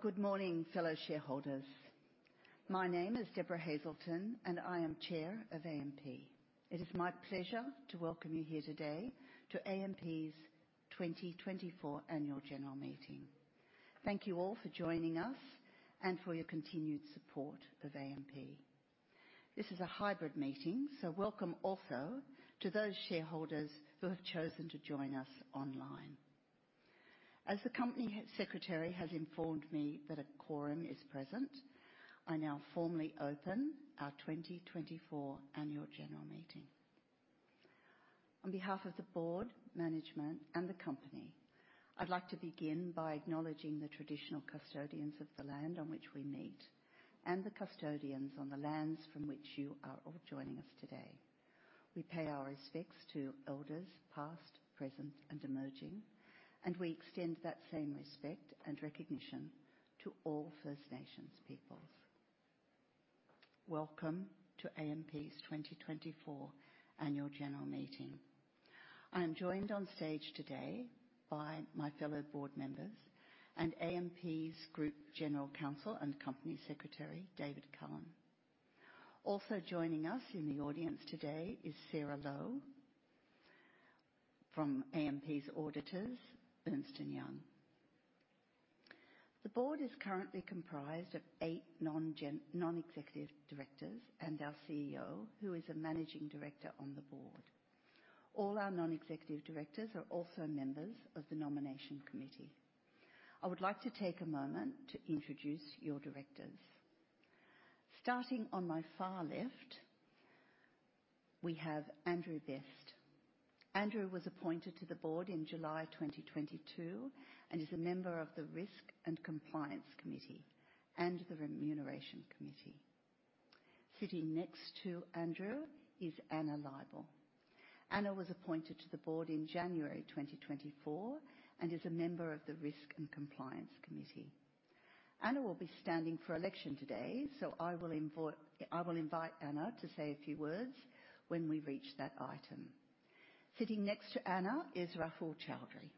Oh, good morning, fellow shareholders. My name is Debra Hazelton, and I am Chair of AMP. It is my pleasure to welcome you here today to AMP's 2024 annual general meeting. Thank you all for joining us and for your continued support of AMP. This is a hybrid meeting, so welcome also to those shareholders who have chosen to join us online. As the company secretary has informed me that a quorum is present, I now formally open our 2024 annual general meeting. On behalf of the board, management, and the company, I'd like to begin by acknowledging the traditional custodians of the land on which we meet and the custodians on the lands from which you are all joining us today. We pay our respects to elders past, present, and emerging, and we extend that same respect and recognition to all First Nations peoples. Welcome to AMP's 2024 annual general meeting. I am joined on stage today by my fellow board members and AMP's Group General Counsel and Company Secretary, David Cullen. Also joining us in the audience today is Sarah Lowe from AMP's auditors, Ernst & Young. The board is currently comprised of eight non-executive directors and our CEO, who is a managing director on the board. All our non-executive directors are also members of the Nomination Committee. I would like to take a moment to introduce your directors. Starting on my far left, we have Andrew Best. Andrew was appointed to the board in July 2022 and is a member of the Risk and Compliance Committee and the Remuneration Committee. Sitting next to Andrew is Anna Leibel. Anna was appointed to the board in January 2024 and is a member of the Risk and Compliance Committee. Anna will be standing for election today, so I will invite Anna to say a few words when we reach that item. Sitting next to Anna is Rahoul Chowdry.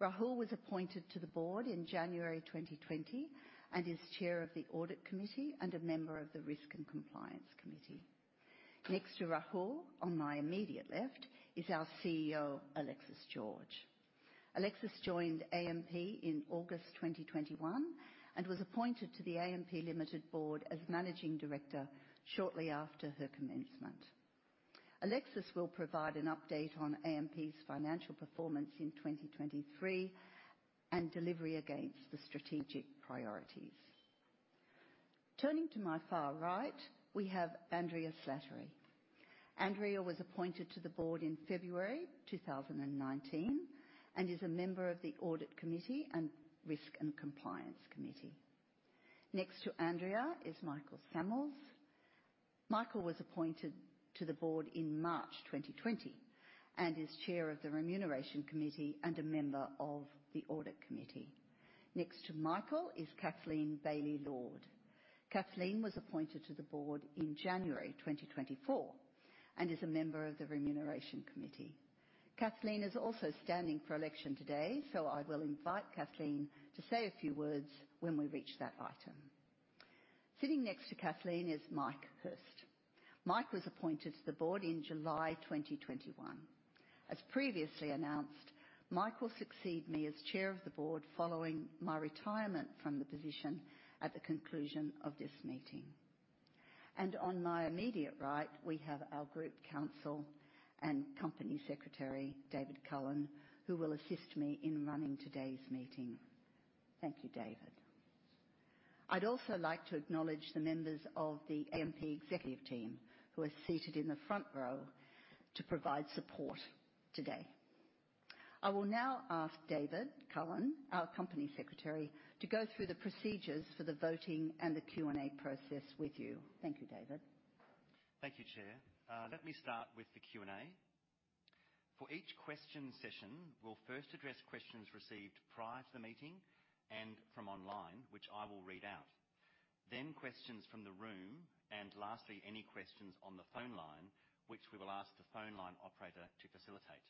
Rahoul was appointed to the board in January 2020 and is Chair of the Audit Committee and a member of the Risk and Compliance Committee. Next to Rahoul, on my immediate left, is our CEO, Alexis George. Alexis joined AMP in August 2021 and was appointed to the AMP Limited Board as Managing Director shortly after her commencement. Alexis will provide an update on AMP's financial performance in 2023 and delivery against the strategic priorities. Turning to my far right, we have Andrea Slattery. Andrea was appointed to the board in February 2019 and is a member of the Audit Committee and Risk and Compliance Committee. Next to Andrea is Michael Sammells. Michael was appointed to the board in March 2020 and is chair of the Remuneration Committee and a member of the Audit Committee. Next to Michael is Kathleen Bailey-Lord. Kathleen was appointed to the board in January 2024 and is a member of the Remuneration Committee. Kathleen is also standing for election today, so I will invite Kathleen to say a few words when we reach that item. Sitting next to Kathleen is Mike Hirst. Mike was appointed to the board in July 2021. As previously announced, Michael succeeded me as chair of the board following my retirement from the position at the conclusion of this meeting. On my immediate right, we have our Group Counsel and Company Secretary, David Cullen, who will assist me in running today's meeting. Thank you, David. I'd also like to acknowledge the members of the AMP executive team who are seated in the front row to provide support today. I will now ask David Cullen, our Company Secretary, to go through the procedures for the voting and the Q&A process with you. Thank you, David. Thank you, chair. Let me start with the Q&A. For each question session, we'll first address questions received prior to the meeting and from online, which I will read out. Then questions from the room, and lastly, any questions on the phone line, which we will ask the phone line operator to facilitate.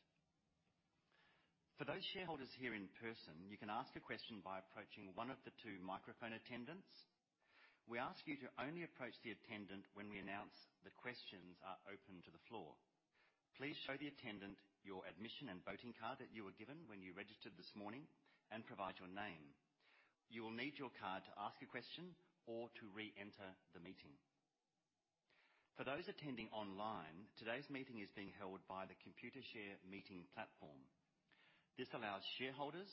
For those shareholders here in person, you can ask a question by approaching one of the two microphone attendants. We ask you to only approach the attendant when we announce the questions are open to the floor. Please show the attendant your admission and voting card that you were given when you registered this morning and provide your name. You will need your card to ask a question or to re-enter the meeting. For those attending online, today's meeting is being held by the Computershare Meeting Platform. This allows shareholders,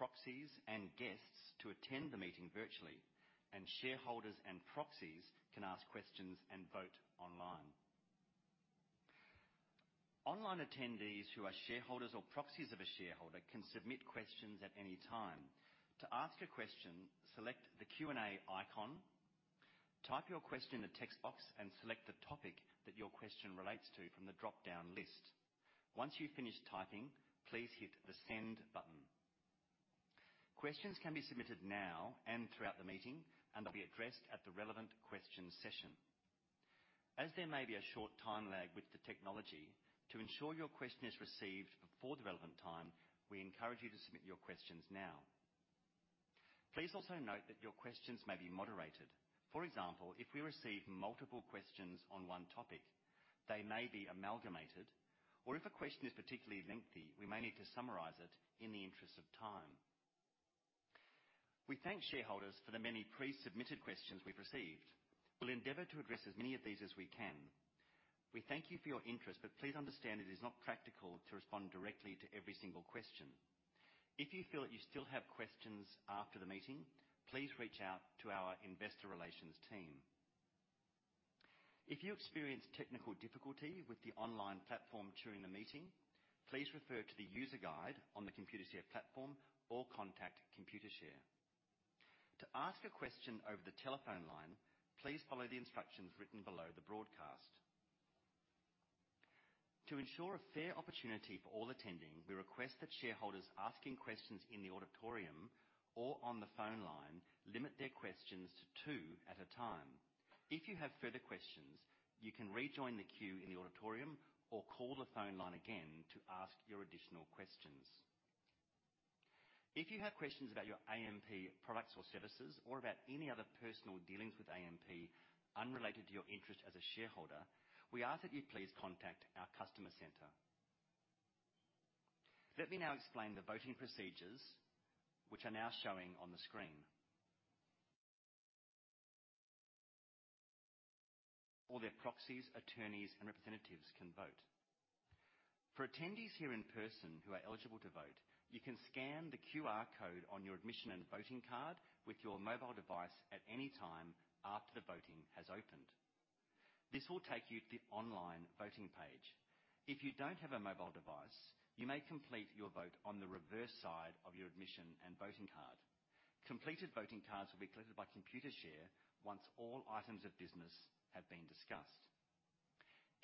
proxies, and guests to attend the meeting virtually, and shareholders and proxies can ask questions and vote online. Online attendees who are shareholders or proxies of a shareholder can submit questions at any time. To ask a question, select the Q&A icon, type your question in the text box, and select the topic that your question relates to from the drop-down list. Once you've finished typing, please hit the Send button. Questions can be submitted now and throughout the meeting, and they'll be addressed at the relevant question session. As there may be a short time lag with the technology, to ensure your question is received before the relevant time, we encourage you to submit your questions now. Please also note that your questions may be moderated. For example, if we receive multiple questions on one topic, they may be amalgamated, or if a question is particularly lengthy, we may need to summarize it in the interest of time. We thank shareholders for the many pre-submitted questions we've received. We'll endeavor to address as many of these as we can. We thank you for your interest, but please understand it is not practical to respond directly to every single question. If you feel that you still have questions after the meeting, please reach out to our investor relations team. If you experience technical difficulty with the online platform during the meeting, please refer to the user guide on the Computershare e Platform or contact Computershare. To ask a question over the telephone line, please follow the instructions written below the broadcast. To ensure a fair opportunity for all attending, we request that shareholders asking questions in the auditorium or on the phone line limit their questions to two at a time. If you have further questions, you can rejoin the queue in the auditorium or call the phone line again to ask your additional questions. If you have questions about your AMP products or services or about any other personal dealings with AMP unrelated to your interest as a shareholder, we ask that you please contact our customer center. Let me now explain the voting procedures, which are now showing on the screen. All their proxies, attorneys, and representatives can vote. For attendees here in person who are eligible to vote, you can scan the QR code on your admission and voting card with your mobile device at any time after the voting has opened. This will take you to the online voting page. If you don't have a mobile device, you may complete your vote on the reverse side of your admission and voting card. Completed voting cards will be collected by Computershare once all items of business have been discussed.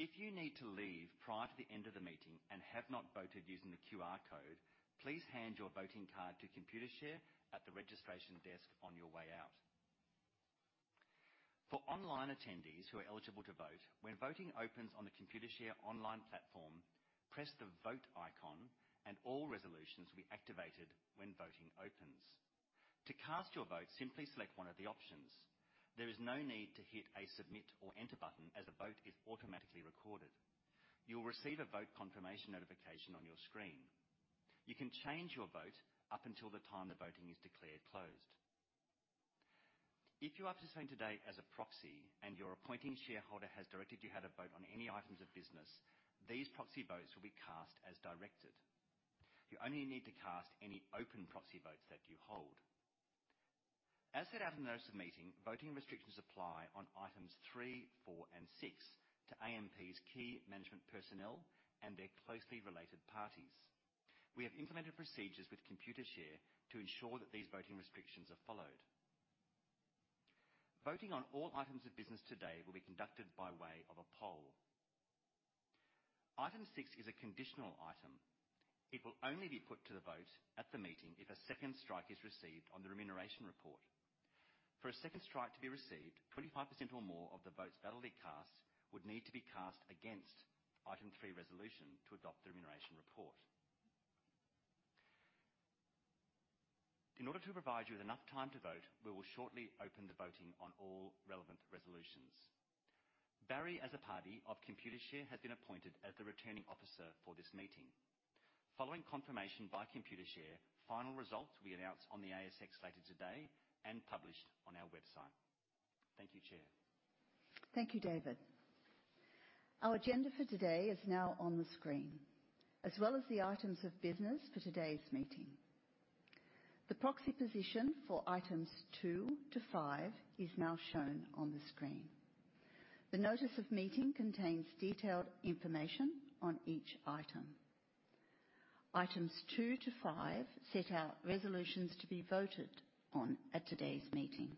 If you need to leave prior to the end of the meeting and have not voted using the QR code, please hand your voting card to Computershare at the registration desk on your way out. For online attendees who are eligible to vote, when voting opens on the Computershare online platform, press the Vote icon, and all resolutions will be activated when voting opens. To cast your vote, simply select one of the options. There is no need to hit a Submit or Enter button as the vote is automatically recorded. You'll receive a vote confirmation notification on your screen. You can change your vote up until the time the voting is declared closed. If you're participating today as a proxy and your appointing shareholder has directed you how to vote on any items of business, these proxy votes will be cast as directed. You only need to cast any open proxy votes that you hold. As set out in the notice of meeting, voting restrictions apply on items 3, 4, and 6 to AMP's key management personnel and their closely related parties. We have implemented procedures with Computershare to ensure that these voting restrictions are followed. Voting on all items of business today will be conducted by way of a poll. Item 6 is a conditional item. It will only be put to the vote at the meeting if a second strike is received on the remuneration report. For a second strike to be received, 25% or more of the votes that will be cast would need to be cast against item 3 resolution to adopt the remuneration report. In order to provide you with enough time to vote, we will shortly open the voting on all relevant resolutions. Barry, as a party of Computershare, has been appointed as the returning officer for this meeting. Following confirmation by Computershare, final results will be announced on the ASX later today and published on our website. Thank you, Chair. Thank you, David. Our agenda for today is now on the screen, as well as the items of business for today's meeting. The proxy position for items 2-5 is now shown on the screen. The notice of meeting contains detailed information on each item. Items 2-5 set out resolutions to be voted on at today's meeting.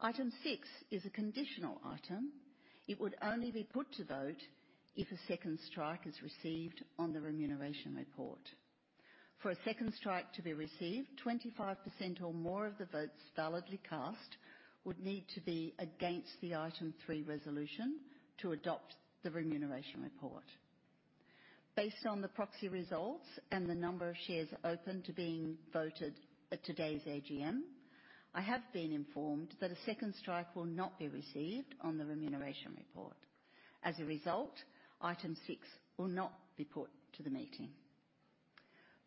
Item 6 is a conditional item. It would only be put to vote if a second strike is received on the remuneration report. For a second strike to be received, 25% or more of the votes validly cast would need to be against the item three resolution to adopt the remuneration report. Based on the proxy results and the number of shares open to being voted at today's AGM, I have been informed that a second strike will not be received on the remuneration report. As a result, item six will not be put to the meeting.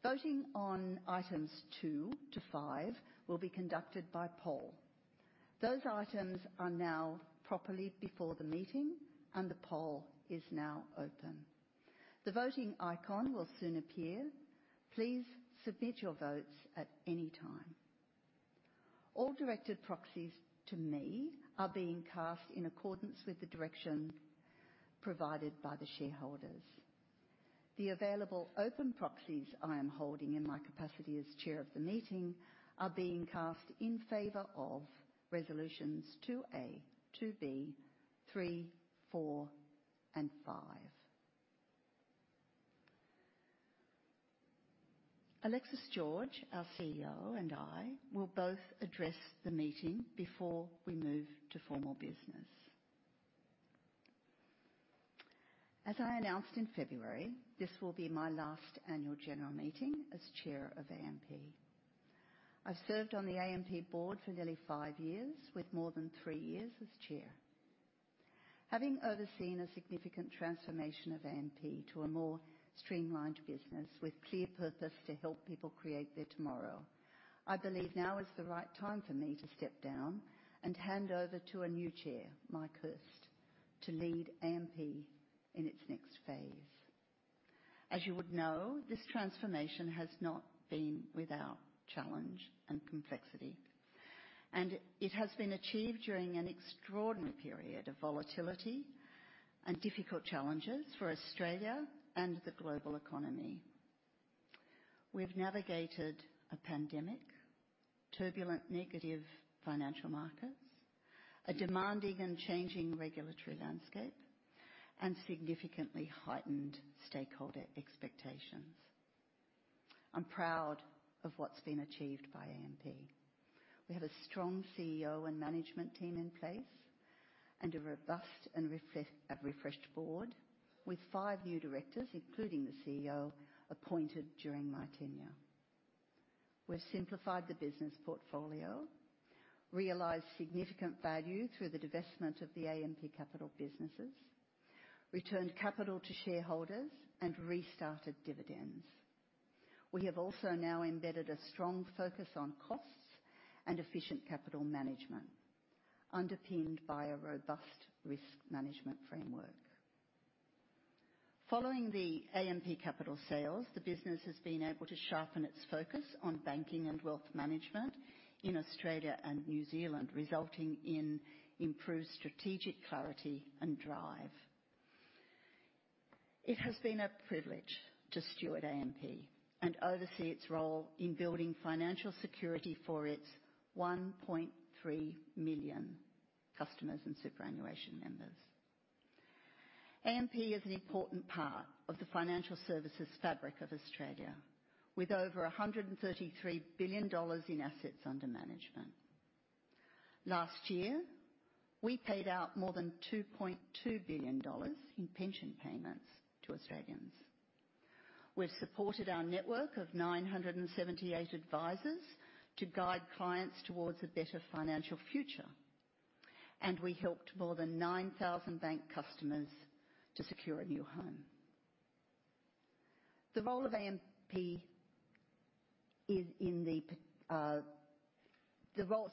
Voting on items 2-5 will be conducted by poll. Those items are now properly before the meeting, and the poll is now open. The voting icon will soon appear. Please submit your votes at any time. All directed proxies to me are being cast in accordance with the direction provided by the shareholders. The available open proxies I am holding in my capacity as Chair of the meeting are being cast in favor of resolutions 2A, 2B, 3, 4, and 5. Alexis George, our CEO, and I will both address the meeting before we move to formal business. As I announced in February, this will be my last annual general meeting as Chair of AMP. I've served on the AMP board for nearly five years, with more than three years as Chair. Having overseen a significant transformation of AMP to a more streamlined business with clear purpose to help people create their tomorrow, I believe now is the right time for me to step down and hand over to a new chair, Mike Hirst, to lead AMP in its next phase. As you would know, this transformation has not been without challenge and complexity, and it has been achieved during an extraordinary period of volatility and difficult challenges for Australia and the global economy. We've navigated a pandemic, turbulent negative financial markets, a demanding and changing regulatory landscape, and significantly heightened stakeholder expectations. I'm proud of what's been achieved by AMP. We have a strong CEO and management team in place and a robust and refreshed board with five new directors, including the CEO, appointed during my tenure. We've simplified the business portfolio, realized significant value through the divestment of the AMP Capital businesses, returned capital to shareholders, and restarted dividends. We have also now embedded a strong focus on costs and efficient capital management, underpinned by a robust risk management framework. Following the AMP Capital sales, the business has been able to sharpen its focus on banking and wealth management in Australia and New Zealand, resulting in improved strategic clarity and drive. It has been a privilege to steward AMP and oversee its role in building financial security for its 1.3 million customers and superannuation members. AMP is an important part of the financial services fabric of Australia, with over 133 billion dollars in assets under management. Last year, we paid out more than 2.2 billion dollars in pension payments to Australians. We've supported our network of 978 advisors to guide clients toward a better financial future, and we helped more than 9,000 bank customers to secure a new home. The role of AMP is in the,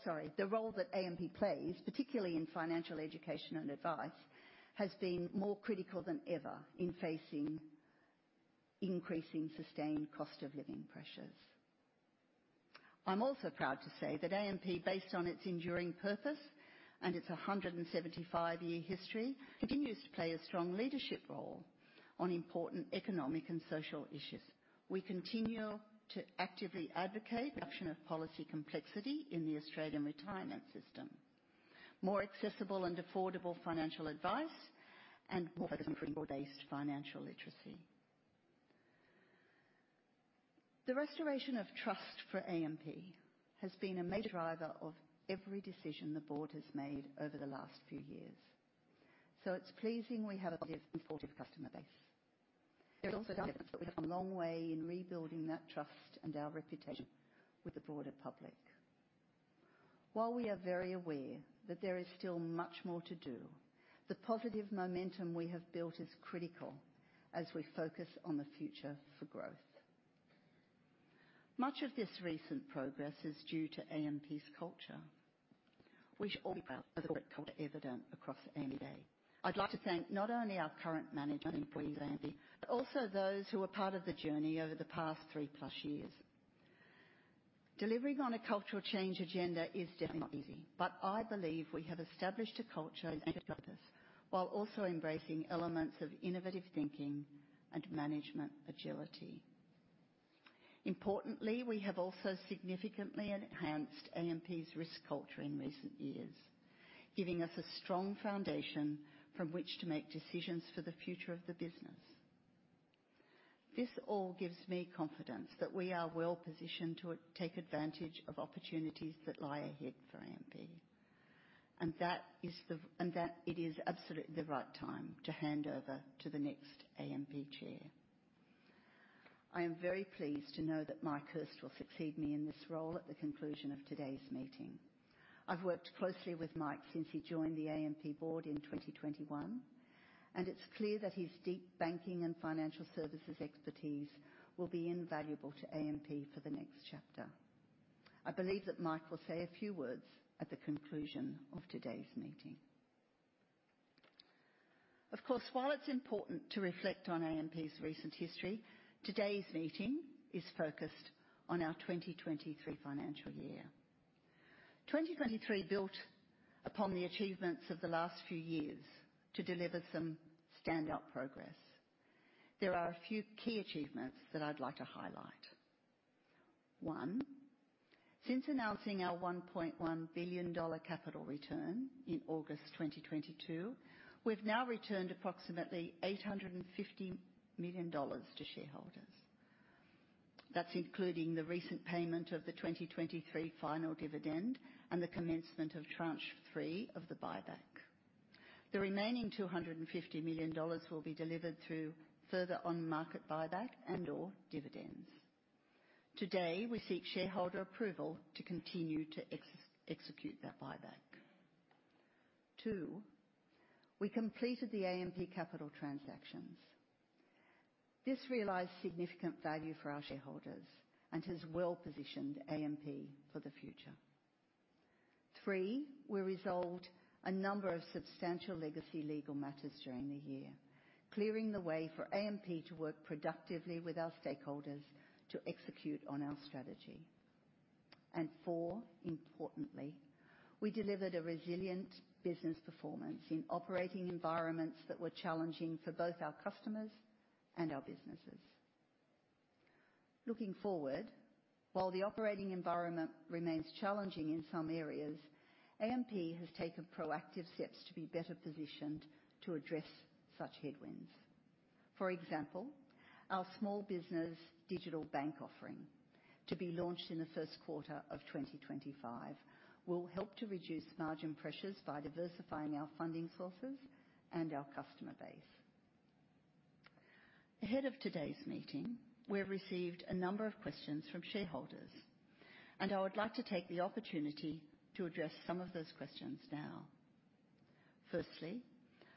sorry, the role that AMP plays, particularly in financial education and advice, has been more critical than ever in facing increasing sustained cost of living pressures. I'm also proud to say that AMP, based on its enduring purpose and its 175-year history, continues to play a strong leadership role on important economic and social issues. We continue to actively advocate reduction of policy complexity in the Australian retirement system, more accessible and affordable financial advice, and more focus on corporate-based financial literacy. The restoration of trust for AMP has been a major driver of every decision the board has made over the last few years, so it's pleasing we have a positive, supportive customer base. There is also stark evidence that we have come a long way in rebuilding that trust and our reputation with the broader public. While we are very aware that there is still much more to do, the positive momentum we have built is critical as we focus on the future for growth. Much of this recent progress is due to AMP's culture, which we are proud to be a cultural leader across AMP. I'd like to thank not only our current management employees at AMP but also those who were part of the journey over the past three-plus years. Delivering on a cultural change agenda is definitely not easy, but I believe we have established a culture and a purpose while also embracing elements of innovative thinking and management agility. Importantly, we have also significantly enhanced AMP's risk culture in recent years, giving us a strong foundation from which to make decisions for the future of the business. This all gives me confidence that we are well positioned to take advantage of opportunities that lie ahead for AMP, and that it is absolutely the right time to hand over to the next AMP chair. I am very pleased to know that Mike Hirst will succeed me in this role at the conclusion of today's meeting. I've worked closely with Mike since he joined the AMP board in 2021, and it's clear that his deep banking and financial services expertise will be invaluable to AMP for the next chapter. I believe that Mike will say a few words at the conclusion of today's meeting. Of course, while it's important to reflect on AMP's recent history, today's meeting is focused on our 2023 financial year. 2023 built upon the achievements of the last few years to deliver some standout progress. There are a few key achievements that I'd like to highlight. One, since announcing our 1.1 billion dollar capital return in August 2022, we've now returned approximately 850 million dollars to shareholders. That's including the recent payment of the 2023 final dividend and the commencement of tranche three of the buyback. The remaining 250 million dollars will be delivered through further on-market buyback and/or dividends. Today, we seek shareholder approval to continue to execute that buyback. Two, we completed the AMP Capital transactions. This realized significant value for our shareholders and has well positioned AMP for the future. 3, we resolved a number of substantial legacy legal matters during the year, clearing the way for AMP to work productively with our stakeholders to execute on our strategy. And 4, importantly, we delivered a resilient business performance in operating environments that were challenging for both our customers and our businesses. Looking forward, while the operating environment remains challenging in some areas, AMP has taken proactive steps to be better positioned to address such headwinds. For example, our small business digital bank offering, to be launched in the first quarter of 2025, will help to reduce margin pressures by diversifying our funding sources and our customer base. Ahead of today's meeting, we've received a number of questions from shareholders, and I would like to take the opportunity to address some of those questions now. Firstly,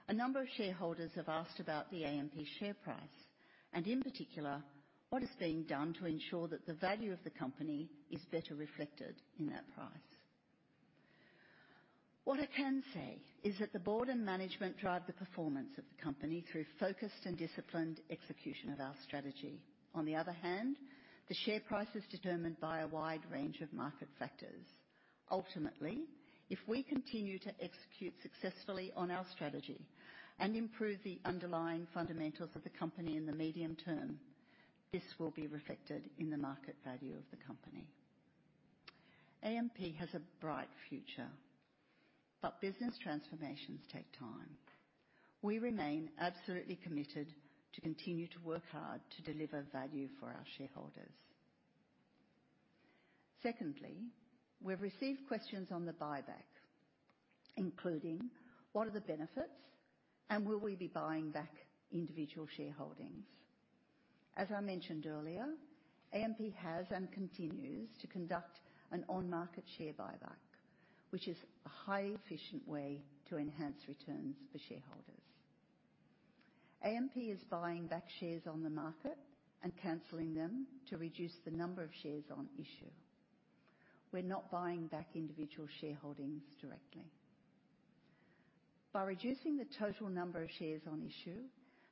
a number of shareholders have asked about the AMP share price and, in particular, what is being done to ensure that the value of the company is better reflected in that price. What I can say is that the board and management drive the performance of the company through focused and disciplined execution of our strategy. On the other hand, the share price is determined by a wide range of market factors. Ultimately, if we continue to execute successfully on our strategy and improve the underlying fundamentals of the company in the medium term, this will be reflected in the market value of the company. AMP has a bright future, but business transformations take time. We remain absolutely committed to continue to work hard to deliver value for our shareholders. Secondly, we've received questions on the buyback, including what are the benefits, and will we be buying back individual shareholdings. As I mentioned earlier, AMP has and continues to conduct an on-market share buyback, which is a highly efficient way to enhance returns for shareholders. AMP is buying back shares on the market and cancelling them to reduce the number of shares on issue. We're not buying back individual shareholdings directly. By reducing the total number of shares on issue,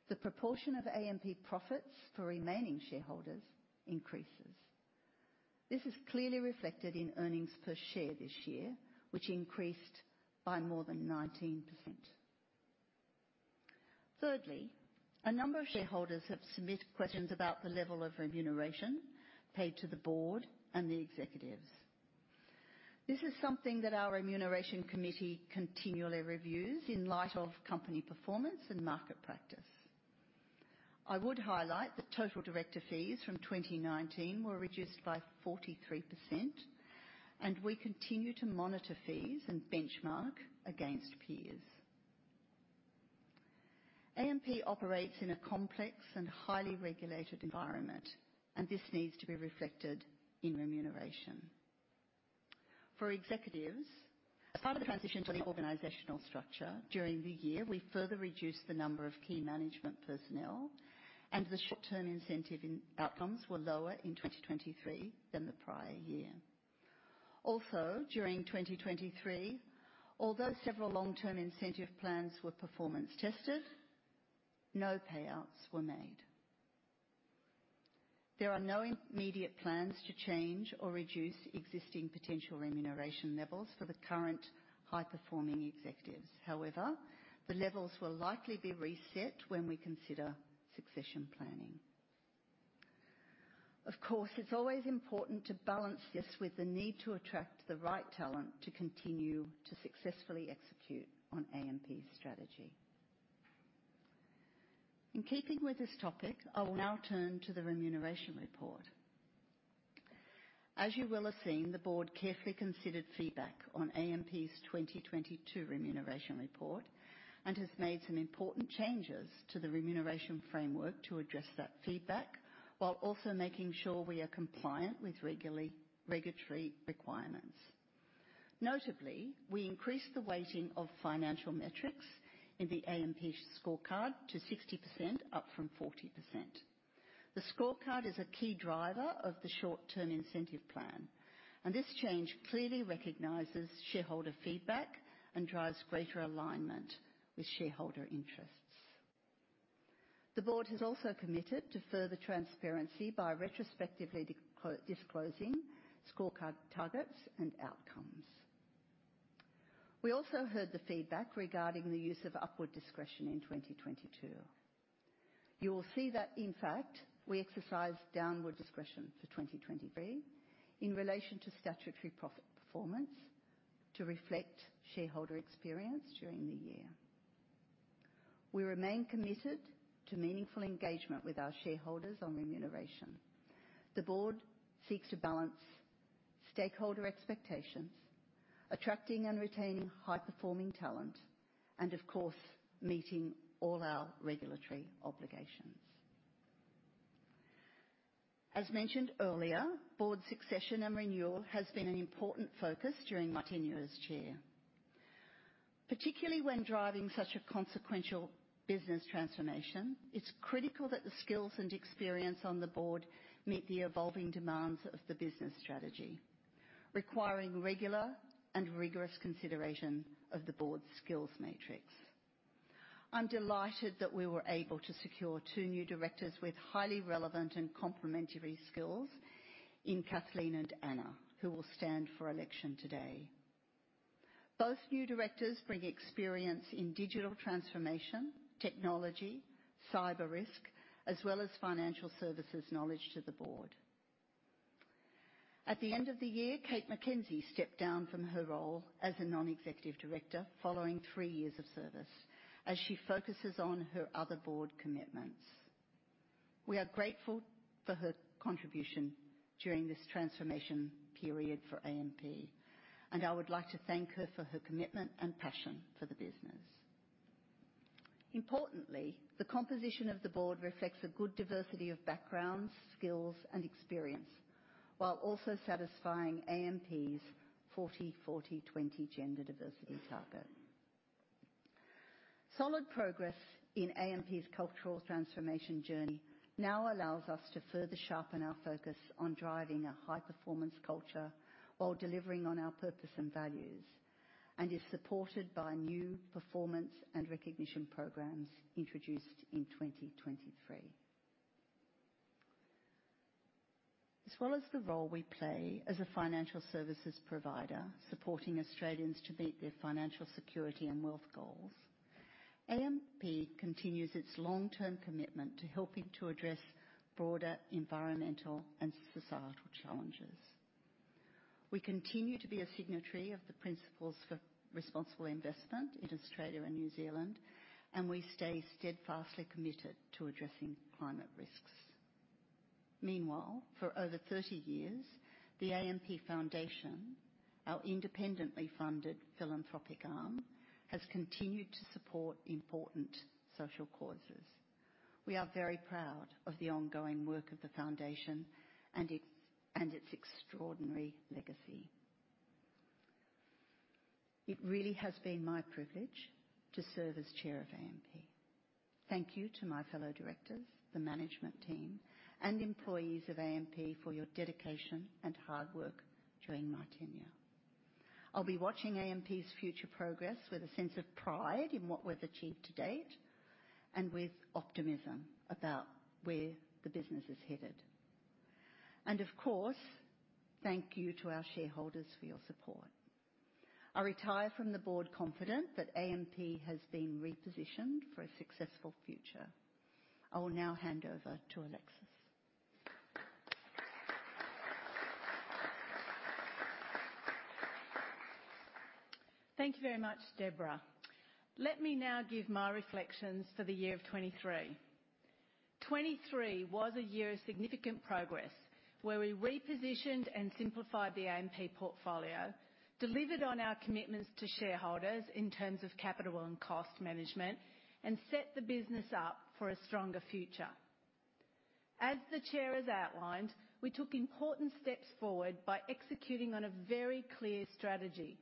the proportion of AMP profits for remaining shareholders increases. This is clearly reflected in earnings per share this year, which increased by more than 19%. Thirdly, a number of shareholders have submitted questions about the level of remuneration paid to the board and the executives. This is something that our remuneration committee continually reviews in light of company performance and market practice. I would highlight the total director fees from 2019 were reduced by 43%, and we continue to monitor fees and benchmark against peers. AMP operates in a complex and highly regulated environment, and this needs to be reflected in remuneration. For executives, as part of the transition to the organizational structure during the year, we further reduced the number of key management personnel, and the short-term incentive outcomes were lower in 2023 than the prior year. Also, during 2023, although several long-term incentive plans were performance-tested, no payouts were made. There are no immediate plans to change or reduce existing potential remuneration levels for the current high-performing executives. However, the levels will likely be reset when we consider succession planning. Of course, it's always important to balance this with the need to attract the right talent to continue to successfully execute on AMP's strategy. In keeping with this topic, I will now turn to the remuneration report. As you will have seen, the board carefully considered feedback on AMP's 2022 remuneration report and has made some important changes to the remuneration framework to address that feedback while also making sure we are compliant with regulatory requirements. Notably, we increased the weighting of financial metrics in the AMP scorecard to 60%, up from 40%. The scorecard is a key driver of the short-term incentive plan, and this change clearly recognizes shareholder feedback and drives greater alignment with shareholder interests. The board has also committed to further transparency by retrospectively disclosing scorecard targets and outcomes. We also heard the feedback regarding the use of upward discretion in 2022. You will see that, in fact, we exercised downward discretion for 2023 in relation to statutory profit performance to reflect shareholder experience during the year. We remain committed to meaningful engagement with our shareholders on remuneration. The board seeks to balance stakeholder expectations, attracting and retaining high-performing talent, and, of course, meeting all our regulatory obligations. As mentioned earlier, board succession and renewal has been an important focus during my tenure as chair. Particularly when driving such a consequential business transformation, it's critical that the skills and experience on the board meet the evolving demands of the business strategy, requiring regular and rigorous consideration of the board's skills matrix. I'm delighted that we were able to secure two new directors with highly relevant and complementary skills in Kathleen and Anna, who will stand for election today. Both new directors bring experience in digital transformation, technology, cyber risk, as well as financial services knowledge to the board. At the end of the year, Kate McKenzie stepped down from her role as a non-executive director following three years of service as she focuses on her other board commitments. We are grateful for her contribution during this transformation period for AMP, and I would like to thank her for her commitment and passion for the business. Importantly, the composition of the board reflects a good diversity of backgrounds, skills, and experience while also satisfying AMP's 40/40/20 gender diversity target. Solid progress in AMP's cultural transformation journey now allows us to further sharpen our focus on driving a high-performance culture while delivering on our purpose and values, and is supported by new performance and recognition programs introduced in 2023. As well as the role we play as a financial services provider supporting Australians to meet their financial security and wealth goals, AMP continues its long-term commitment to helping to address broader environmental and societal challenges. We continue to be a signatory of the Principles for Responsible Investment in Australia and New Zealand, and we stay steadfastly committed to addressing climate risks. Meanwhile, for over 30 years, the AMP Foundation, our independently funded philanthropic arm, has continued to support important social causes. We are very proud of the ongoing work of the foundation and its extraordinary legacy. It really has been my privilege to serve as chair of AMP. Thank you to my fellow directors, the management team, and employees of AMP for your dedication and hard work during my tenure. I'll be watching AMP's future progress with a sense of pride in what we've achieved to date and with optimism about where the business is headed. And, of course, thank you to our shareholders for your support. I retire from the board confident that AMP has been repositioned for a successful future. I will now hand over to Alexis. Thank you very much, Debra. Let me now give my reflections for the year of 2023. 2023 was a year of significant progress where we repositioned and simplified the AMP portfolio, delivered on our commitments to shareholders in terms of capital and cost management, and set the business up for a stronger future. As the chair has outlined, we took important steps forward by executing on a very clear strategy.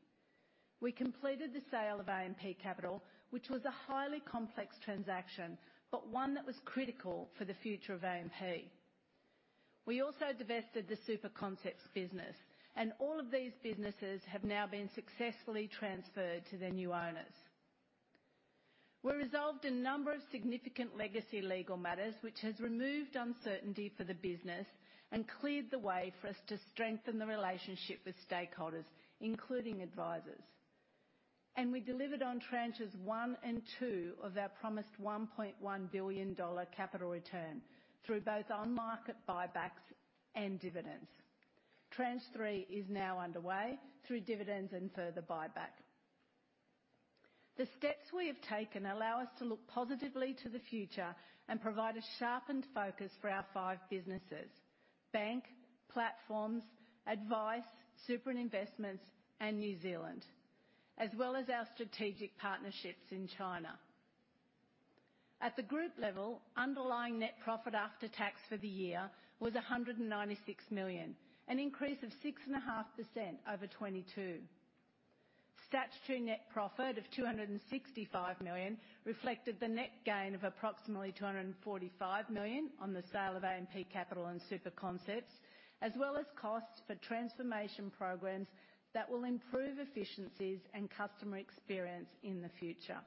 We completed the sale of AMP Capital, which was a highly complex transaction but one that was critical for the future of AMP. We also divested the SuperConcepts business, and all of these businesses have now been successfully transferred to their new owners. We resolved a number of significant legacy legal matters, which has removed uncertainty for the business and cleared the way for us to strengthen the relationship with stakeholders, including advisors. We delivered on tranches one and two of our promised 1.1 billion dollar capital return through both on-market buybacks and dividends. Tranche three is now underway through dividends and further buyback. The steps we have taken allow us to look positively to the future and provide a sharpened focus for our five businesses: bank, platforms, advice, super investments, and New Zealand, as well as our strategic partnerships in China. At the group level, underlying net profit after tax for the year was 196 million, an increase of 6.5% over 2022. Statutory net profit of 265 million reflected the net gain of approximately 245 million on the sale of AMP Capital and SuperConcepts, as well as costs for transformation programs that will improve efficiencies and customer experience in the future.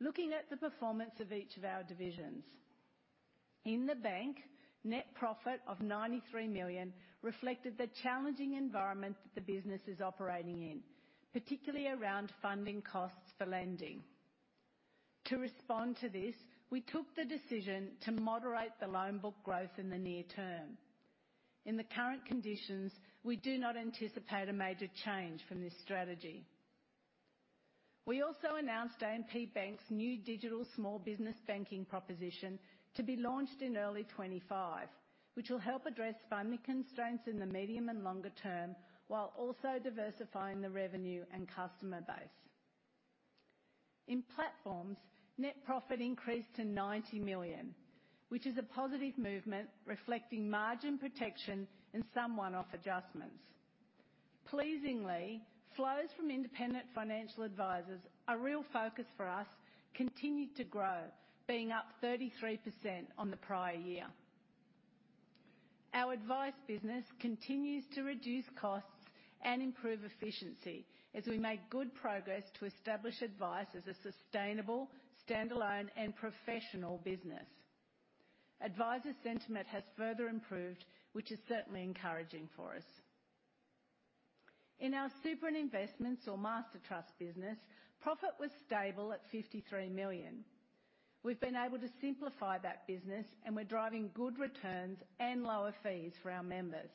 Looking at the performance of each of our divisions, in the bank, net profit of 93 million reflected the challenging environment that the business is operating in, particularly around funding costs for lending. To respond to this, we took the decision to moderate the loan book growth in the near term. In the current conditions, we do not anticipate a major change from this strategy. We also announced AMP Bank's new digital small business banking proposition to be launched in early 2025, which will help address funding constraints in the medium and longer term while also diversifying the revenue and customer base. In platforms, net profit increased to 90 million, which is a positive movement reflecting margin protection and some one-off adjustments. Pleasingly, flows from independent financial advisors are a real focus for us, continuing to grow, being up 33% on the prior year. Our advice business continues to reduce costs and improve efficiency as we make good progress to establish advice as a sustainable, standalone, and professional business. Advisor sentiment has further improved, which is certainly encouraging for us. In our super investments or master trust business, profit was stable at 53 million. We've been able to simplify that business, and we're driving good returns and lower fees for our members.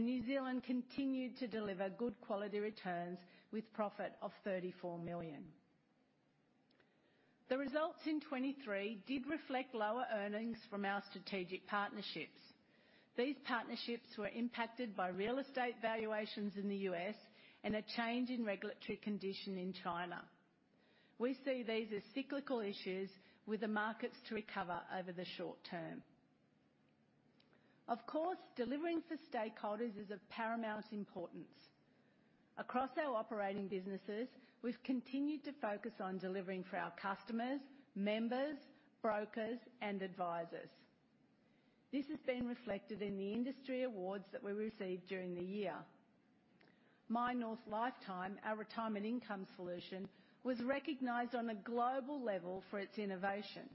New Zealand continued to deliver good quality returns with profit of 34 million. The results in 2023 did reflect lower earnings from our strategic partnerships. These partnerships were impacted by real estate valuations in the U.S. and a change in regulatory condition in China. We see these as cyclical issues with the markets to recover over the short term. Of course, delivering for stakeholders is of paramount importance. Across our operating businesses, we've continued to focus on delivering for our customers, members, brokers, and advisors. This has been reflected in the industry awards that we received during the year. MyNorth Lifetime, our retirement income solution, was recognized on a global level for its innovation.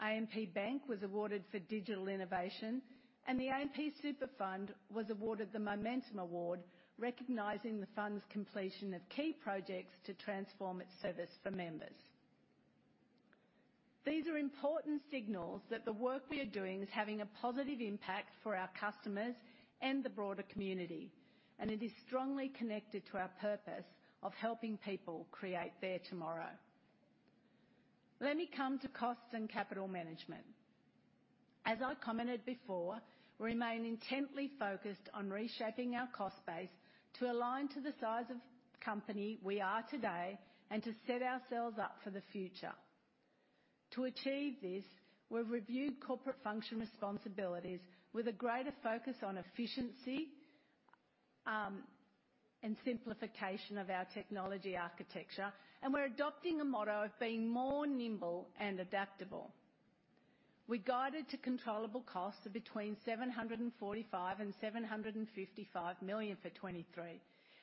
AMP Bank was awarded for digital innovation, and the AMP Super Fund was awarded the Momentum Award recognizing the fund's completion of key projects to transform its service for members. These are important signals that the work we are doing is having a positive impact for our customers and the broader community, and it is strongly connected to our purpose of helping people create their tomorrow. Let me come to cost and capital management. As I commented before, we remain intently focused on reshaping our cost base to align to the size of the company we are today and to set ourselves up for the future. To achieve this, we've reviewed corporate function responsibilities with a greater focus on efficiency and simplification of our technology architecture, and we're adopting a motto of being more nimble and adaptable. We're guided to controllable costs of between 745 million-755 million for 2023,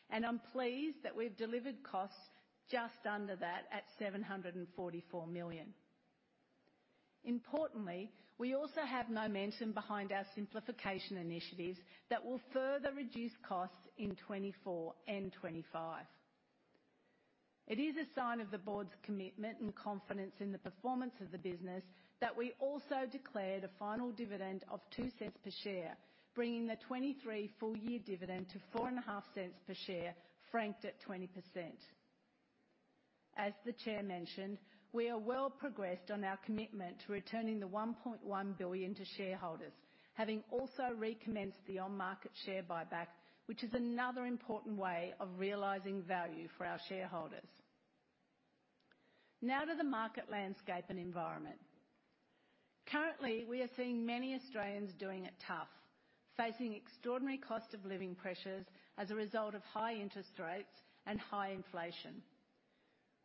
and I'm pleased that we've delivered costs just under that at 744 million. Importantly, we also have momentum behind our simplification initiatives that will further reduce costs in 2024 and 2025. It is a sign of the board's commitment and confidence in the performance of the business that we also declared a final dividend of 0.02 per share, bringing the 2023 full-year dividend to 0.045 per share, franked at 20%. As the chair mentioned, we have well progressed on our commitment to returning the 1.1 billion to shareholders, having also recommenced the on-market share buyback, which is another important way of realizing value for our shareholders. Now to the market landscape and environment. Currently, we are seeing many Australians doing it tough, facing extraordinary cost of living pressures as a result of high interest rates and high inflation.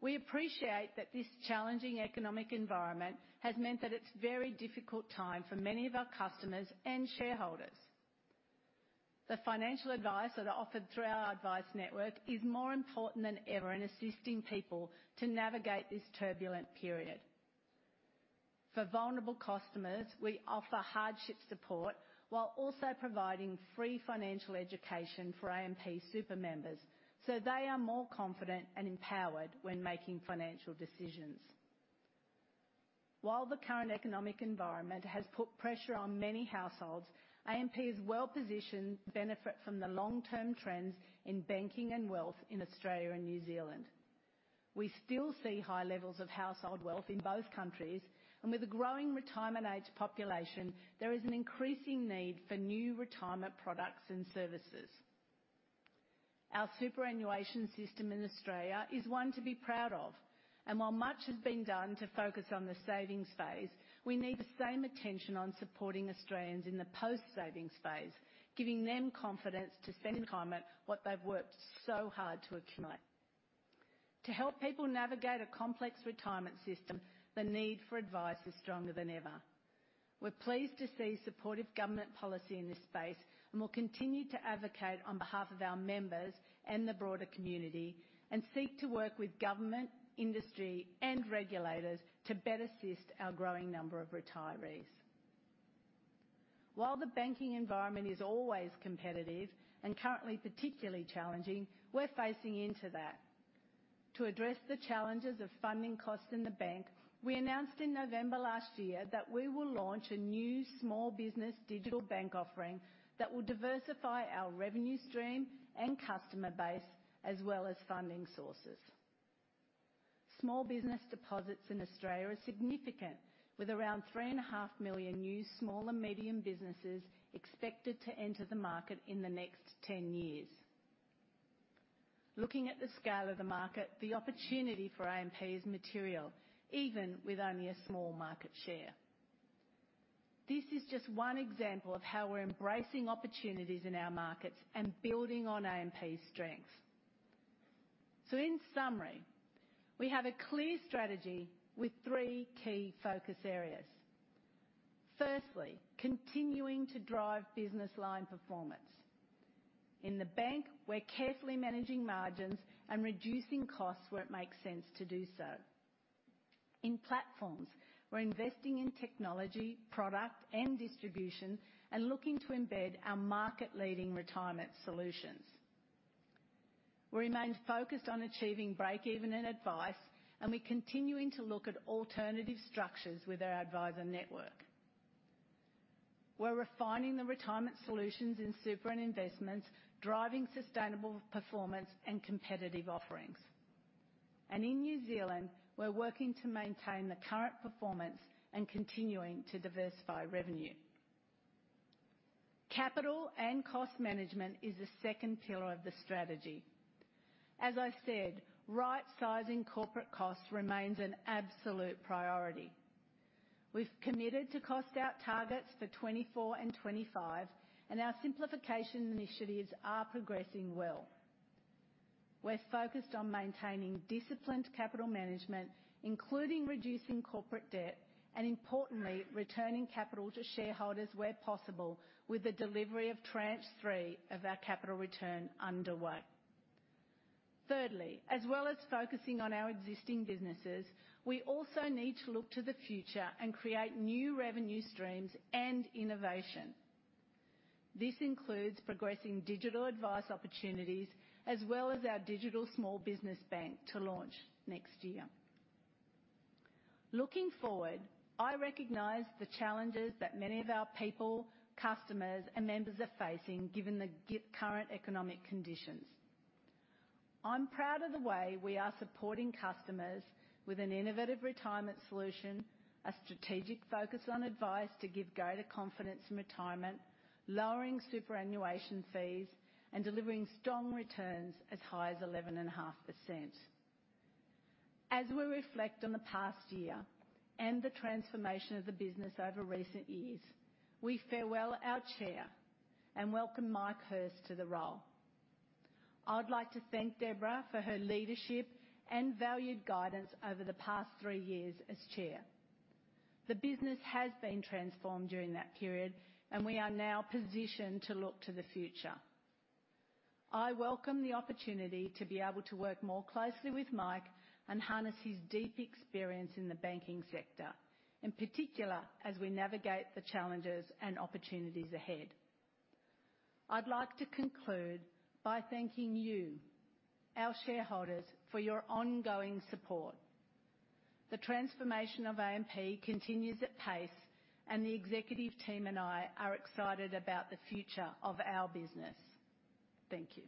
We appreciate that this challenging economic environment has meant that it's a very difficult time for many of our customers and shareholders. The financial advice that are offered through our advice network is more important than ever in assisting people to navigate this turbulent period. For vulnerable customers, we offer hardship support while also providing free financial education for AMP Super members so they are more confident and empowered when making financial decisions. While the current economic environment has put pressure on many households, AMP is well positioned to benefit from the long-term trends in banking and wealth in Australia and New Zealand. We still see high levels of household wealth in both countries, and with a growing retirement-age population, there is an increasing need for new retirement products and services. Our superannuation system in Australia is one to be proud of, and while much has been done to focus on the savings phase, we need the same attention on supporting Australians in the post-savings phase, giving them confidence to spend in retirement what they've worked so hard to accumulate. To help people navigate a complex retirement system, the need for advice is stronger than ever. We're pleased to see supportive government policy in this space and will continue to advocate on behalf of our members and the broader community and seek to work with government, industry, and regulators to better assist our growing number of retirees. While the banking environment is always competitive and currently particularly challenging, we're facing into that. To address the challenges of funding costs in the bank, we announced in November last year that we will launch a new small business digital bank offering that will diversify our revenue stream and customer base as well as funding sources. Small business deposits in Australia are significant, with around 3.5 million new smaller medium businesses expected to enter the market in the next 10 years. Looking at the scale of the market, the opportunity for AMP is material, even with only a small market share. This is just one example of how we're embracing opportunities in our markets and building on AMP's strengths. So, in summary, we have a clear strategy with three key focus areas. Firstly, continuing to drive business line performance. In the bank, we're carefully managing margins and reducing costs where it makes sense to do so. In platforms, we're investing in technology, product, and distribution and looking to embed our market-leading retirement solutions. We remain focused on achieving break-even in advice, and we're continuing to look at alternative structures with our advisor network. We're refining the retirement solutions in super investments, driving sustainable performance and competitive offerings. And in New Zealand, we're working to maintain the current performance and continuing to diversify revenue. Capital and cost management is the second pillar of the strategy. As I said, right-sizing corporate costs remains an absolute priority. We've committed to cost-out targets for 2024 and 2025, and our simplification initiatives are progressing well. We're focused on maintaining disciplined capital management, including reducing corporate debt and, importantly, returning capital to shareholders where possible with the delivery of tranche three of our capital return underway. Thirdly, as well as focusing on our existing businesses, we also need to look to the future and create new revenue streams and innovation. This includes progressing digital advice opportunities as well as our digital small business bank to launch next year. Looking forward, I recognize the challenges that many of our people, customers, and members are facing given the current economic conditions. I'm proud of the way we are supporting customers with an innovative retirement solution, a strategic focus on advice to give greater confidence in retirement, lowering superannuation fees, and delivering strong returns as high as 11.5%. As we reflect on the past year and the transformation of the business over recent years, we farewell our chair and welcome Mike Hirst to the role. I'd like to thank Debra for her leadership and valued guidance over the past three years as chair. The business has been transformed during that period, and we are now positioned to look to the future. I welcome the opportunity to be able to work more closely with Mike and harness his deep experience in the banking sector, in particular as we navigate the challenges and opportunities ahead. I'd like to conclude by thanking you, our shareholders, for your ongoing support. The transformation of AMP continues at pace, and the executive team and I are excited about the future of our business. Thank you.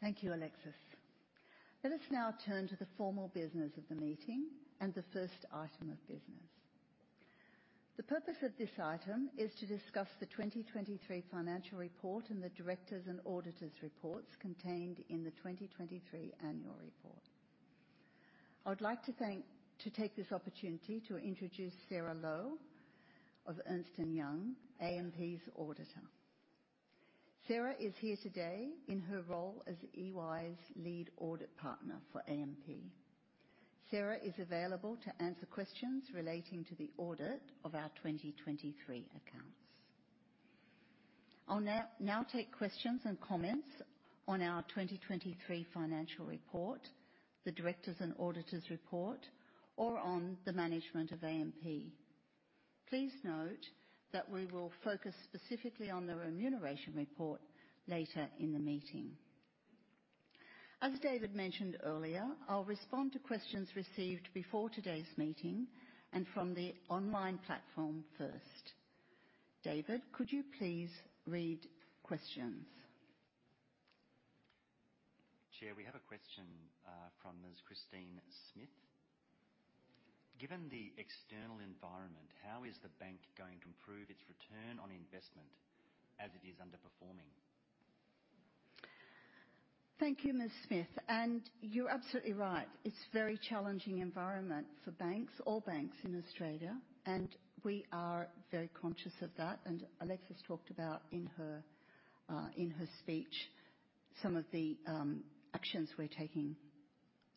Thank you, Alexis. Let us now turn to the formal business of the meeting and the first item of business. The purpose of this item is to discuss the 2023 financial report and the directors' and auditors' reports contained in the 2023 annual report. I'd like to take this opportunity to introduce Sarah Lowe of Ernst & Young, AMP's auditor. Sarah is here today in her role as EY's lead audit partner for AMP. Sarah is available to answer questions relating to the audit of our 2023 accounts. I'll now take questions and comments on our 2023 financial report, the directors' and auditors' report, or on the management of AMP. Please note that we will focus specifically on the remuneration report later in the meeting. As David mentioned earlier, I'll respond to questions received before today's meeting and from the online platform first. David, could you please read questions? Chair, we have a question from Ms. Christine Smith. Given the external environment, how is the bank going to improve its return on investment as it is underperforming? Thank you, Ms. Smith. You're absolutely right. It's a very challenging environment for banks, all banks in Australia, and we are very conscious of that. Alexis talked about in her speech some of the actions we're taking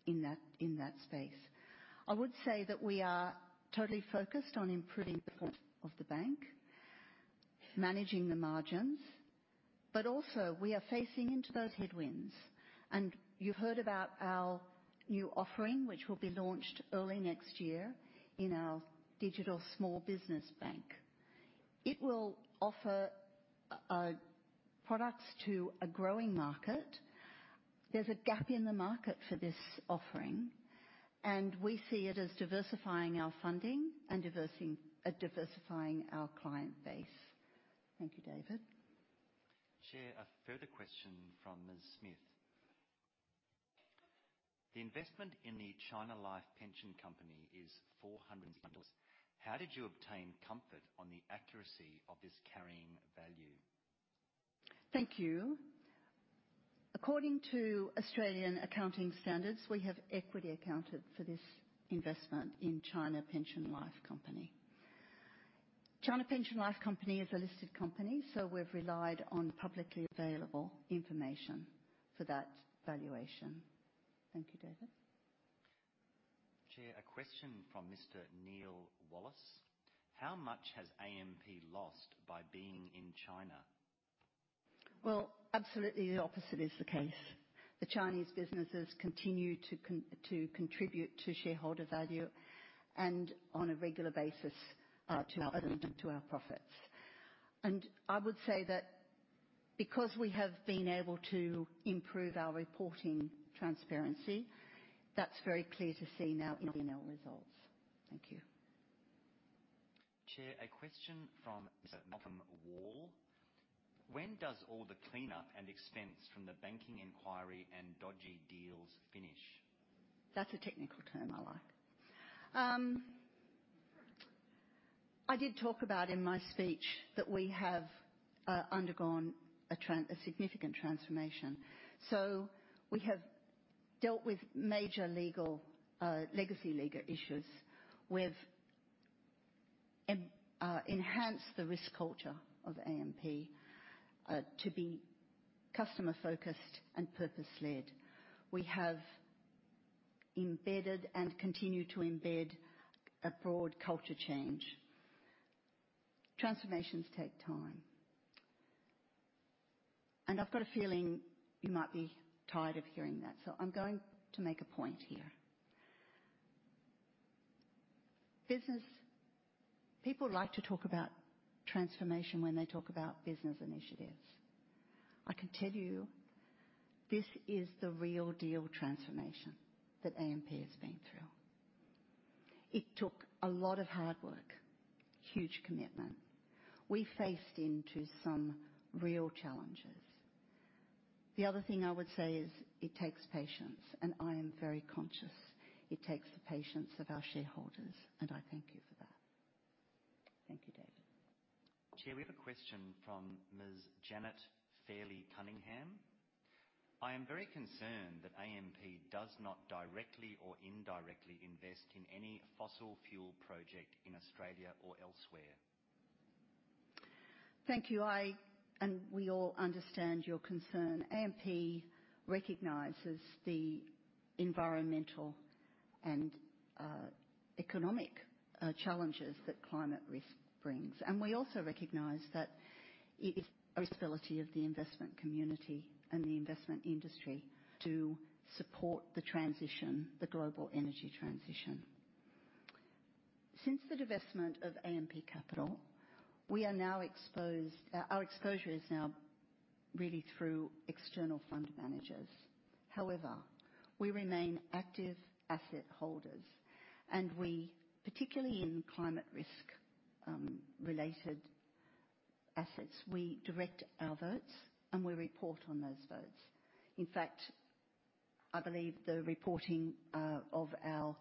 in that space. I would say that we are totally focused on improving the performance of the bank, managing the margins, but also we are facing into those headwinds. You've heard about our new offering, which will be launched early next year in our digital small business bank. It will offer products to a growing market. There's a gap in the market for this offering, and we see it as diversifying our funding and diversifying our client base. Thank you, David. Chair, a further question from Ms. Smith. The investment in the China Life Pension Company is 400 million dollars. How did you obtain comfort on the accuracy of this carrying value? Thank you. According to Australian accounting standards, we have equity accounted for this investment in China Life Pension Company. China Life Pension Company is a listed company, so we've relied on publicly available information for that valuation. Thank you, David. Chair, a question from Mr. Neil Wallace. How much has AMP lost by being in China? Well, absolutely the opposite is the case. The Chinese businesses continue to contribute to shareholder value and on a regular basis to our profits. And I would say that because we have been able to improve our reporting transparency, that's very clear to see now in our results. Thank you. Chair, a question from Mr. Malcolm Wall. When does all the cleanup and expense from the banking inquiry and dodgy deals finish? That's a technical term I like. I did talk about in my speech that we have undergone a significant transformation. So we have dealt with major legacy legal issues. We've enhanced the risk culture of AMP to be customer-focused and purpose-led. We have embedded and continue to embed a broad culture change. Transformations take time. And I've got a feeling you might be tired of hearing that, so I'm going to make a point here. People like to talk about transformation when they talk about business initiatives. I can tell you this is the real deal transformation that AMP has been through. It took a lot of hard work, huge commitment. We faced into some real challenges. The other thing I would say is it takes patience, and I am very conscious it takes the patience of our shareholders, and I thank you for that. Thank you, David. Chair, we have a question from Ms. Janet Fairley Cunningham. I am very concerned that AMP does not directly or indirectly invest in any fossil fuel project in Australia or elsewhere. Thank you. I and we all understand your concern. AMP recognizes the environmental and economic challenges that climate risk brings, and we also recognize that it is a responsibility of the investment community and the investment industry. To support the transition, the global energy transition. Since the divestment of AMP Capital, our exposure is now really through external fund managers. However, we remain active asset holders, and particularly in climate-risk-related assets, we direct our votes and we report on those votes. In fact, I believe the reporting of our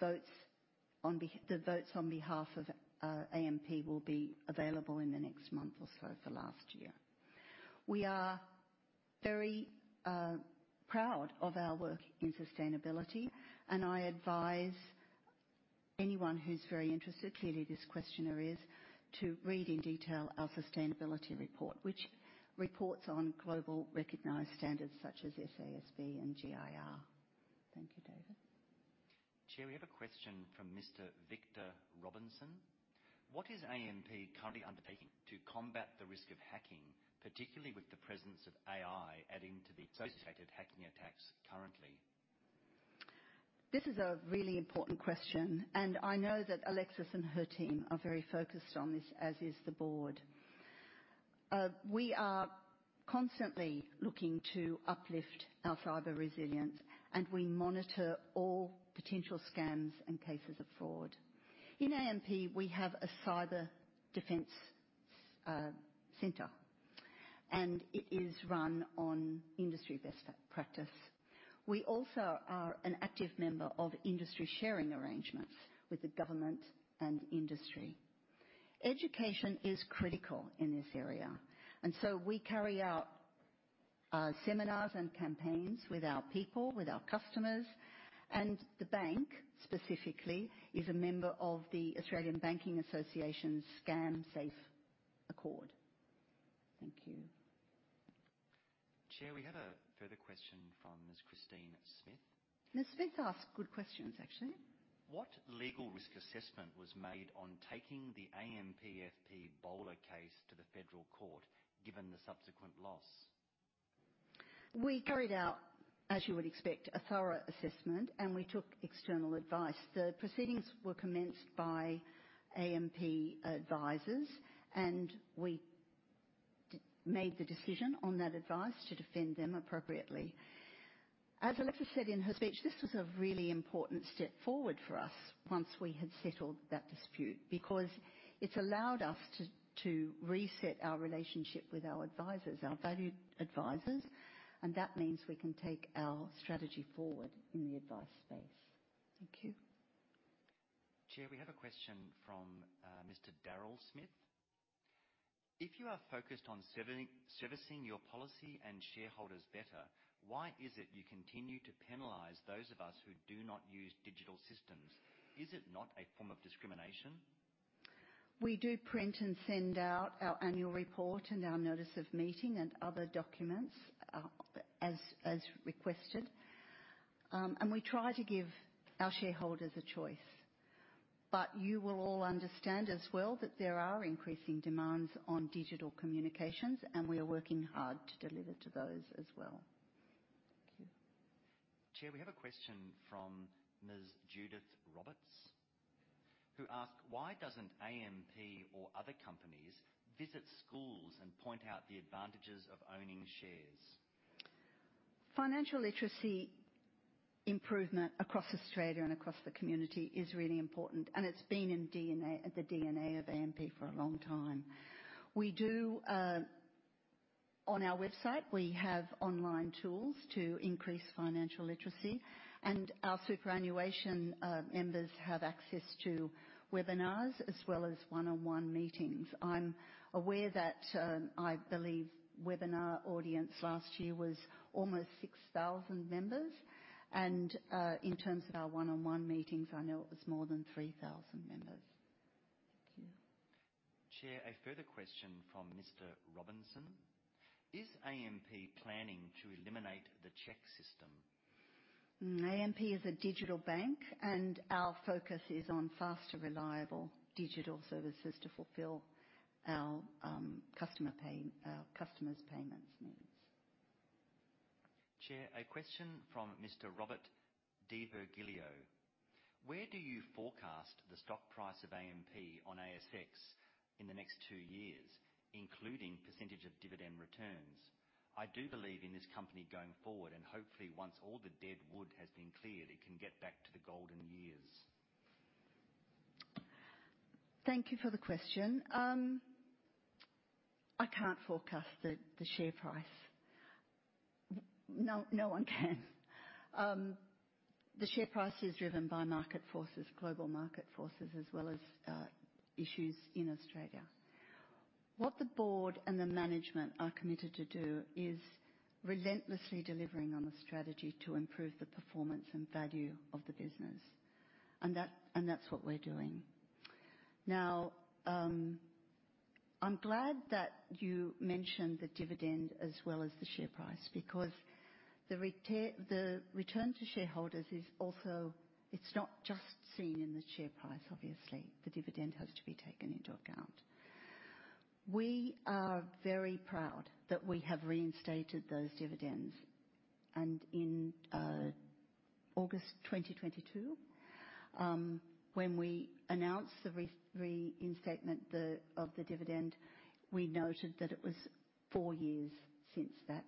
votes on behalf of AMP will be available in the next month or so for last year. We are very proud of our work in sustainability, and I advise anyone who's very interested, clearly this questionnaire is, to read in detail our sustainability report, which reports on global recognized standards such as SASB and GRI. Thank you, David. Chair, we have a question from Mr. Victor Robinson. What is AMP currently undertaking to combat the risk of hacking, particularly with the presence of AI adding to the associated hacking attacks currently? This is a really important question, and I know that Alexis and her team are very focused on this, as is the board. We are constantly looking to uplift our cyber resilience, and we monitor all potential scams and cases of fraud. In AMP, we have a cyber defense center, and it is run on industry best practice. We also are an active member of industry sharing arrangements with the government and industry. Education is critical in this area, and so we carry out seminars and campaigns with our people, with our customers. And the bank, specifically, is a member of the Australian Banking Association's Scam-Safe Accord. Thank you. Chair, we have a further question from Ms. Christine Smith. Ms. Smith asked good questions, actually. What legal risk assessment was made on taking the AMPFP Bolitho case to the federal court given the subsequent loss? We carried out, as you would expect, a thorough assessment, and we took external advice. The proceedings were commenced by AMP advisors, and we made the decision on that advice to defend them appropriately. As Alexis said in her speech, this was a really important step forward for us once we had settled that dispute because it's allowed us to reset our relationship with our advisors, our valued advisors, and that means we can take our strategy forward in the advice space. Thank you. Chair, we have a question from Mr. Daryl Smith. If you are focused on servicing your policyholders and shareholders better, why is it you continue to penalize those of us who do not use digital systems? Is it not a form of discrimination? We do print and send out our annual report and our notice of meeting and other documents as requested, and we try to give our shareholders a choice. But you will all understand as well that there are increasing demands on digital communications, and we are working hard to deliver to those as well. Thank you. Chair, we have a question from Ms. Judith Roberts who asks, why doesn't AMP or other companies visit schools and point out the advantages of owning shares? Financial literacy improvement across Australia and across the community is really important, and it's been in the DNA of AMP for a long time. On our website, we have online tools to increase financial literacy, and our superannuation members have access to webinars as well as one-on-one meetings. I'm aware that I believe the webinar audience last year was almost 6,000 members, and in terms of our one-on-one meetings, I know it was more than 3,000 members. Thank you. Chair, a further question from Mr. Robinson. Is AMP planning to eliminate the check system? AMP is a digital bank, and our focus is on faster, reliable digital services to fulfill our customers' payments needs. Chair, a question from Mr. Robert Di Vergilio. Where do you forecast the stock price of AMP on ASX in the next two years, including percentage of dividend returns? I do believe in this company going forward, and hopefully once all the dead wood has been cleared, it can get back to the golden years. Thank you for the question. I can't forecast the share price. No one can. The share price is driven by global market forces as well as issues in Australia. What the board and the management are committed to do is relentlessly delivering on the strategy to improve the performance and value of the business, and that's what we're doing. Now, I'm glad that you mentioned the dividend as well as the share price because the return to shareholders is also; it's not just seen in the share price, obviously. The dividend has to be taken into account. We are very proud that we have reinstated those dividends. In August 2022, when we announced the reinstatement of the dividend, we noted that it was four years since a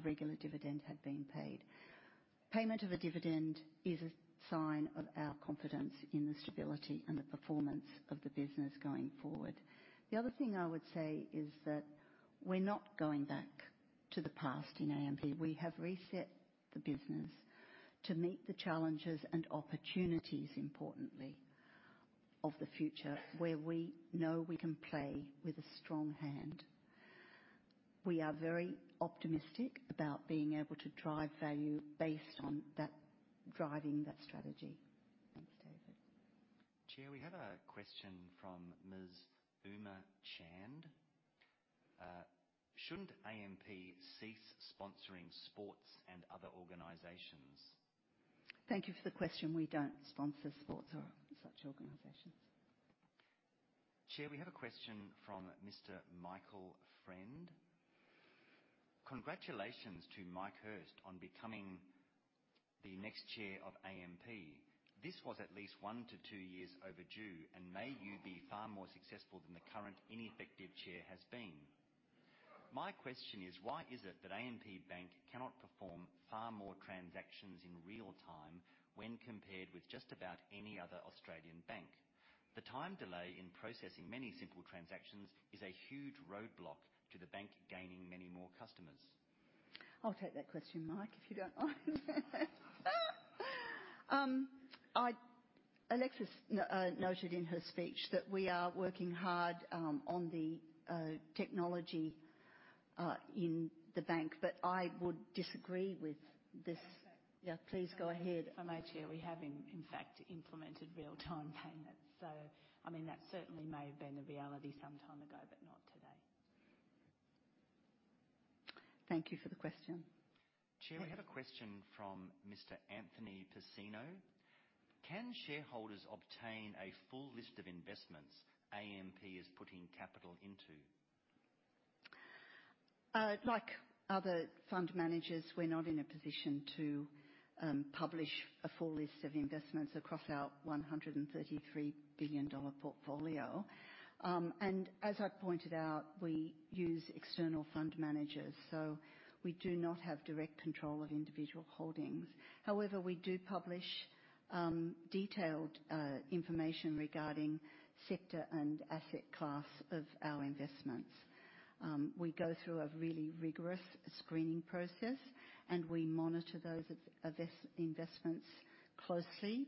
regular dividend had been paid. The payment of a dividend is a sign of our confidence in the stability and the performance of the business going forward. The other thing I would say is that we're not going back to the past in AMP. We have reset the business to meet the challenges and opportunities, importantly, of the future where we know we can play with a strong hand. We are very optimistic about being able to drive value based on driving that strategy. Thanks, David. Chair, we have a question from Ms. Uma Chand. Shouldn't AMP cease sponsoring sports and other organizations? Thank you for the question. We don't sponsor sports or such organizations. Chair, we have a question from Mr. Michael Friend. Congratulations to Mike Hirst on becoming the next chair of AMP. This was at least 1-2 years overdue, and may you be far more successful than the current ineffective chair has been. My question is, why is it that AMP Bank cannot perform far more transactions in real time when compared with just about any other Australian bank? The time delay in processing many simple transactions is a huge roadblock to the bank gaining many more customers. I'll take that question, Mike, if you don't mind. Alexis noted in her speech that we are working hard on the technology in the bank, but I would disagree with this. Yeah, please go ahead. From our chair, we have, in fact, implemented real-time payments. So I mean, that certainly may have been a reality some time ago, but not today. Thank you for the question. Chair, we have a question from Mr. Anthony Pizzino. Can shareholders obtain a full list of investments AMP is putting capital into? Like other fund managers, we're not in a position to publish a full list of investments across our 133 billion dollar portfolio. And as I've pointed out, we use external fund managers, so we do not have direct control of individual holdings. However, we do publish detailed information regarding the sector and asset class of our investments. We go through a really rigorous screening process, and we monitor those investments closely,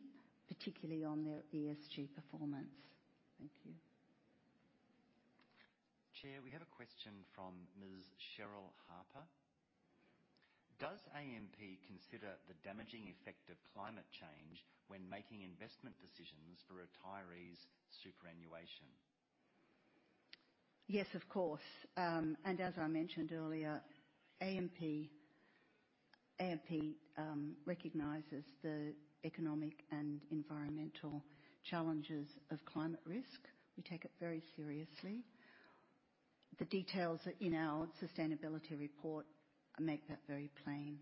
particularly on their ESG performance. Thank you. Chair, we have a question from Ms. Cheryl Harper. Does AMP consider the damaging effect of climate change when making investment decisions for retirees' superannuation? Yes, of course. And as I mentioned earlier, AMP recognises the economic and environmental challenges of climate risk. We take it very seriously. The details in our sustainability report make that very plain.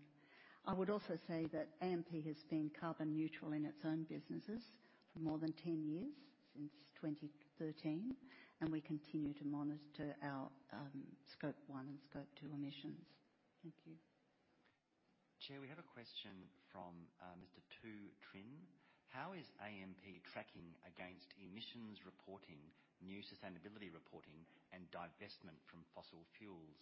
I would also say that AMP has been carbon neutral in its own businesses for more than 10 years, since 2013, and we continue to monitor our Scope 1 and Scope 2 emissions. Thank you. Chair, we have a question from Mr. Tu Trinh. How is AMP tracking against emissions reporting, new sustainability reporting, and divestment from fossil fuels?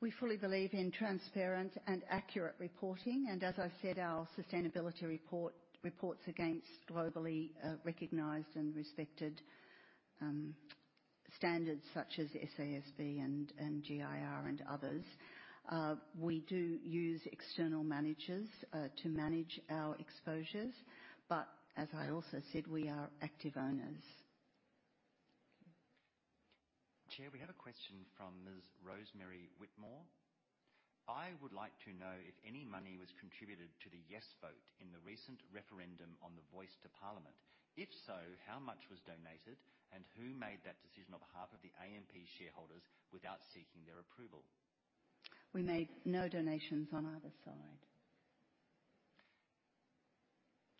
We fully believe in transparent and accurate reporting, and as I said, our sustainability reports against globally recognized and respected standards such as SASB and GRI and others. We do use external managers to manage our exposures, but as I also said, we are active owners. Chair, we have a question from Ms. Rosemary Whitmore. I would like to know if any money was contributed to the yes vote in the recent referendum on the Voice to Parliament. If so, how much was donated, and who made that decision on behalf of the AMP shareholders without seeking their approval? We made no donations on either side.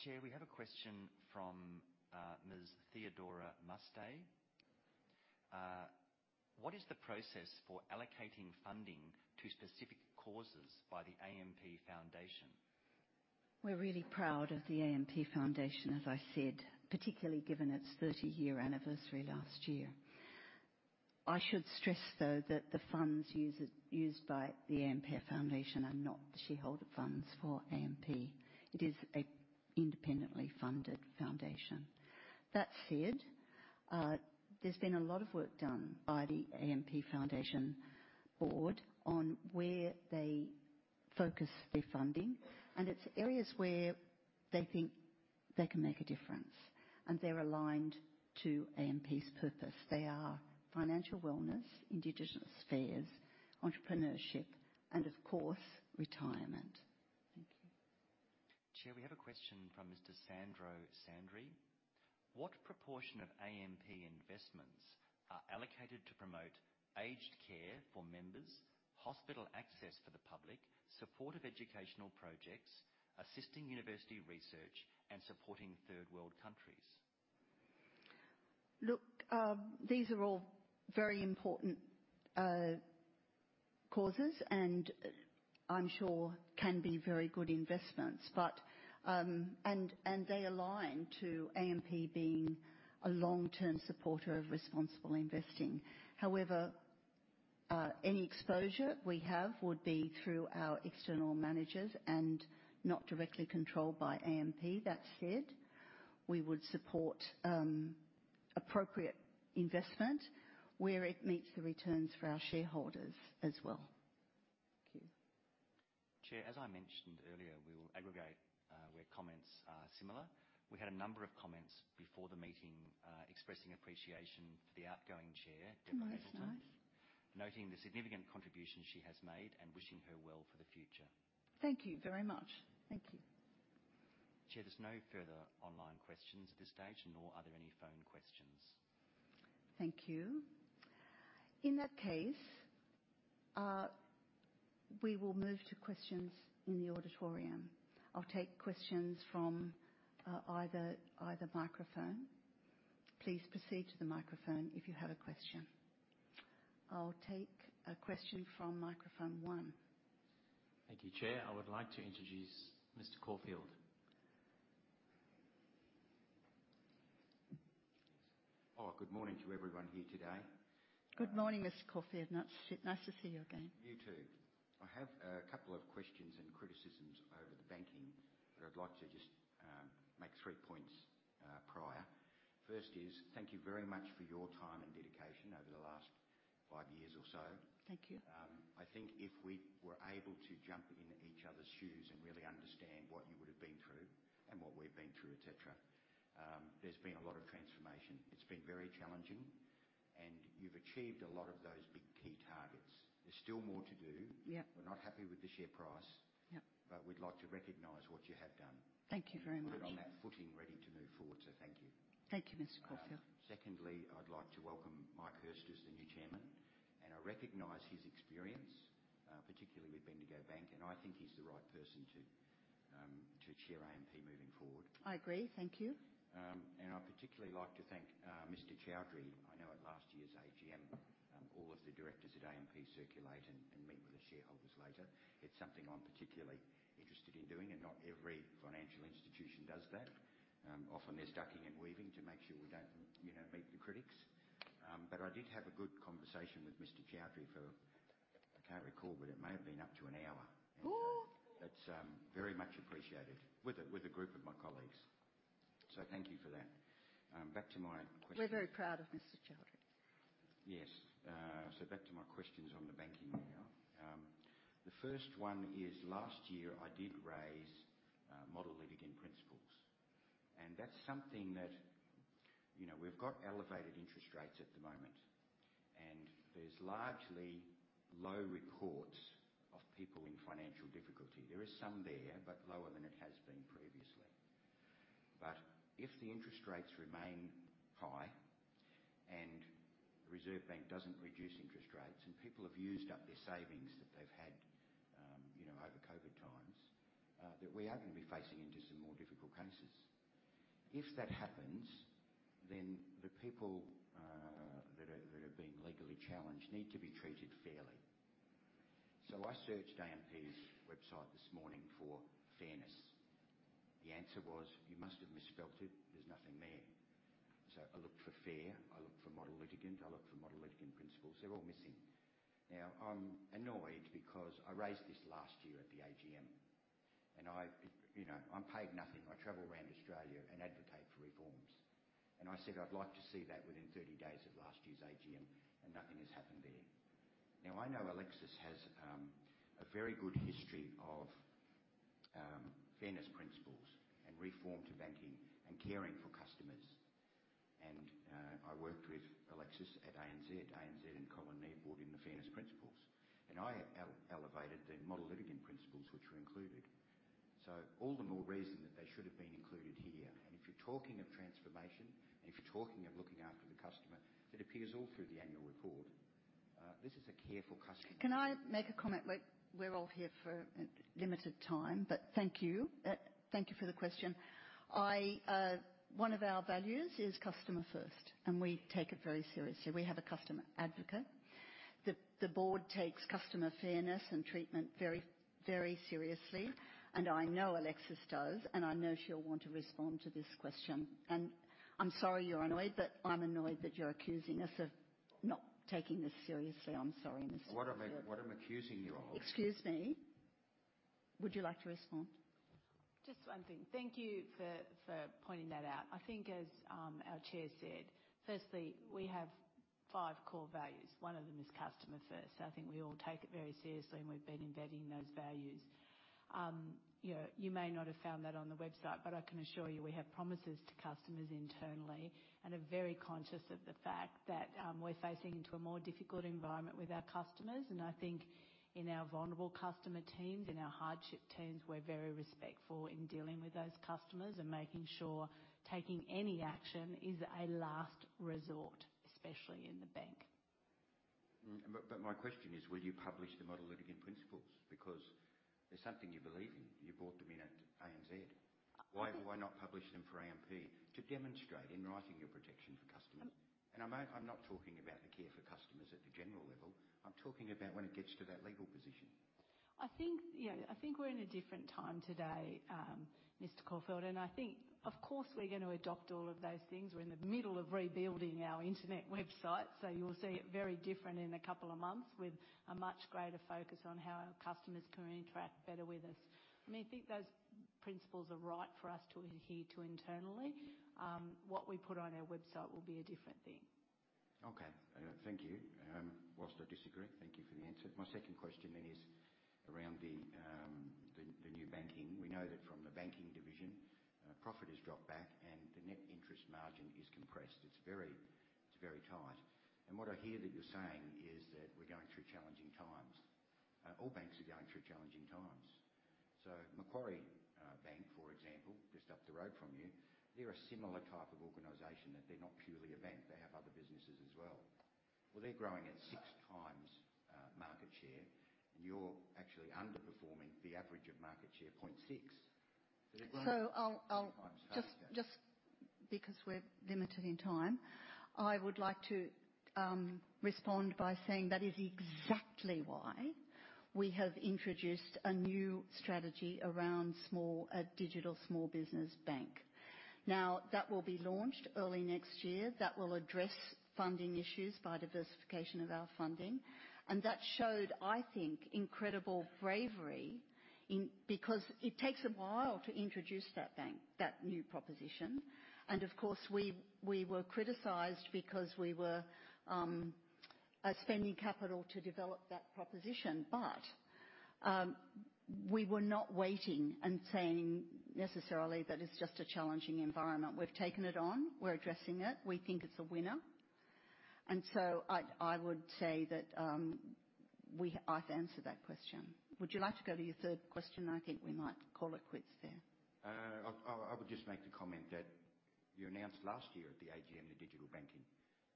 Chair, we have a question from Ms. Theodora Muste. What is the process for allocating funding to specific causes by the AMP Foundation? We're really proud of the AMP Foundation, as I said, particularly given its 30-year anniversary last year. I should stress, though, that the funds used by the AMP Foundation are not the shareholder funds for AMP. It is an independently funded foundation. That said, there's been a lot of work done. By the AMP Foundation board on where they focus their funding, and it's areas where they think they can make a difference, and they're aligned to AMP's purpose. They are financial wellness, indigenous affairs, entrepreneurship, and, of course, retirement. Thank you. Chair, we have a question from Mr. Sandro Sandri. What proportion of AMP investments are allocated to promote aged care for members, hospital access for the public, supportive educational projects, assisting university research, and supporting third-world countries? Look, these are all very important causes and I'm sure can be very good investments, and they align to AMP being a long-term supporter of responsible investing. However, any exposure we have would be through our external managers and not directly controlled by AMP. That said, we would support appropriate investment where it meets the returns for our shareholders as well. Thank you. Chair, as I mentioned earlier, we will aggregate where comments are similar. We had a number of comments before the meeting expressing appreciation for the outgoing chair, Debra Hazelton, noting the significant contribution she has made and wishing her well for the future. Thank you very much. Thank you. Chair, there's no further online questions at this stage, nor are there any phone questions. Thank you. In that case, we will move to questions in the auditorium. I'll take questions from either microphone. Please proceed to the microphone if you have a question. I'll take a question from microphone one. Thank you. Chair, I would like to introduce Mr. Caulfield. Oh, good morning to everyone here today. Good morning, Mr. Caulfield. Nice to see you again. You too. I have a couple of questions and criticisms over the banking, but I'd like to just make three points prior. First is, thank you very much for your time and dedication over the last five years or so. I think if we were able to jump in each other's shoes and really understand what you would have been through and what we've been through, etc. There's been a lot of transformation. It's been very challenging, and you've achieved a lot of those big key targets. There's still more to do. We're not happy with the share price, but we'd like to recognize what you have done. Thank you very much. Put it on that footing ready to move forward, so thank you. Thank you, Mr. Caulfield. Secondly, I'd like to welcome Mike Hirst as the new chairman, and I recognize his experience, particularly with Bendigo Bank, and I think he's the right person to chair AMP moving forward. I agree. Thank you. And I'd particularly like to thank Mr. Chowdhry. I know at last year's AGM, all of the directors at AMP circulate and meet with the shareholders later. It's something I'm particularly interested in doing, and not every financial institution does that. Often, they're ducking and weaving to make sure we don't meet the critics. But I did have a good conversation with Mr. Chowdhry, for I can't recall, but it may have been up to an hour. That's very much appreciated with a group of my colleagues. So thank you for that. Back to my questions. We're very proud of Mr. Chowdhry. Yes. So back to my questions on the banking now. The first one is, last year I did raise Model Litigant Principles. That's something that we've got elevated interest rates at the moment, and there's largely low reports of people in financial difficulty. There is some there, but lower than it has been previously. If the interest rates remain high and the Reserve Bank doesn't reduce interest rates, and people have used up their savings that they've had over COVID times, that we are going to be facing into some more difficult cases. If that happens, the people that are being legally challenged need to be treated fairly. I searched AMP's website this morning for fairness. The answer was, "You must have misspelled it. There's nothing there." I looked for fair. I looked for Model Litigant. I looked for Model Litigant Principles. They're all missing. Now, I'm annoyed because I raised this last year at the AGM, and I'm paid nothing. I travel around Australia and advocate for reforms. I said I'd like to see that within 30 days of last year's AGM, and nothing has happened there. Now, I know Alexis has a very good history of fairness principles and reform to banking and caring for customers. And I worked with Alexis at ANZ, ANZ and Colin Neave, in the fairness principles, and I elevated the Model Litigant Principles which were included. So all the more reason that they should have been included here. And if you're talking of transformation and if you're talking of looking after the customer, that appears all through the annual report. This is a careful customer approach. Can I make a comment? We're all here for a limited time, but thank you. Thank you for the question. One of our values is customer first, and we take it very seriously. We have a customer advocate. The board takes customer fairness and treatment very, very seriously, and I know Alexis does, and I know she'll want to respond to this question. And I'm sorry you're annoyed, but I'm annoyed that you're accusing us of not taking this seriously. I'm sorry, Mr. Chair. What I'm accusing you of? Excuse me? Would you like to respond? Just one thing. Thank you for pointing that out. I think, as our chair said, firstly, we have five core values. One of them is customer first. I think we all take it very seriously, and we've been embedding those values. You may not have found that on the website, but I can assure you we have promises to customers internally and are very conscious of the fact that we're facing into a more difficult environment with our customers. And I think in our vulnerable customer teams, in our hardship teams, we're very respectful in dealing with those customers and making sure taking any action is a last resort, especially in the bank. My question is, will you publish the Model Litigant Principles? Because there's something you believe in. You brought them in at ANZ. Why not publish them for AMP to demonstrate in writing your protection for customers? And I'm not talking about the care for customers at the general level. I'm talking about when it gets to that legal position. I think we're in a different time today, Mr. Caulfield, and I think, of course, we're going to adopt all of those things. We're in the middle of rebuilding our internet website, so you'll see it very different in a couple of months with a much greater focus on how our customers can interact better with us. I mean, I think those principles are right for us to adhere to internally. What we put on our website will be a different thing. Okay. Thank you. While I disagree, thank you for the answer. My second question then is around the new banking. We know that from the banking division, profit has dropped back, and the net interest margin is compressed. It's very tight. And what I hear that you're saying is that we're going through challenging times. All banks are going through challenging times. So Macquarie Bank, for example, just up the road from you, they're a similar type of organisation. They're not purely a bank. They have other businesses as well. Well, they're growing at six times market share, and you're actually underperforming the average of market share, 0.6. So they're growing at six times market share. So I'll just. Just because we're limited in time, I would like to respond by saying that is exactly why we have introduced a new strategy around a digital small business bank. Now, that will be launched early next year. That will address funding issues by diversification of our funding. And that showed, I think, incredible bravery because it takes a while to introduce that bank, that new proposition. And, of course, we were criticized because we were spending capital to develop that proposition, but we were not waiting and saying necessarily that it's just a challenging environment. We've taken it on. We're addressing it. We think it's a winner. And so I would say that I've answered that question. Would you like to go to your third question? I think we might call it quits there. I would just make the comment that you announced last year at the AGM the digital banking.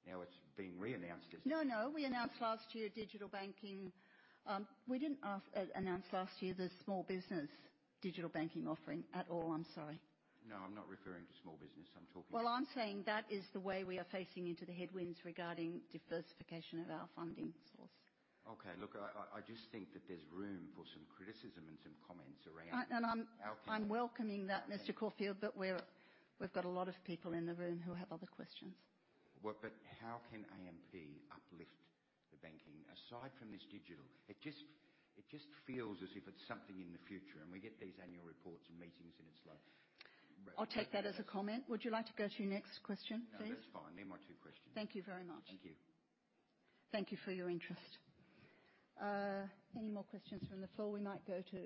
Now, it's being re-announced as. No, no. We announced last year digital banking we didn't announce last year the small business digital banking offering at all. I'm sorry. No, I'm not referring to small business. I'm talking. Well, I'm saying that is the way we are facing into the headwinds regarding diversification of our funding source. Okay. Look, I just think that there's room for some criticism and some comments around how can. And I'm welcoming that, Mr. Caulfield, but we've got a lot of people in the room who have other questions. But how can AMP uplift the banking aside from this digital? It just feels as if it's something in the future, and we get these annual reports and meetings, and it's like. I'll take that as a comment. Would you like to go to your next question, please? No, that's fine. They're my two questions. Thank you very much. Thank you. Thank you for your interest. Any more questions from the floor? We might go to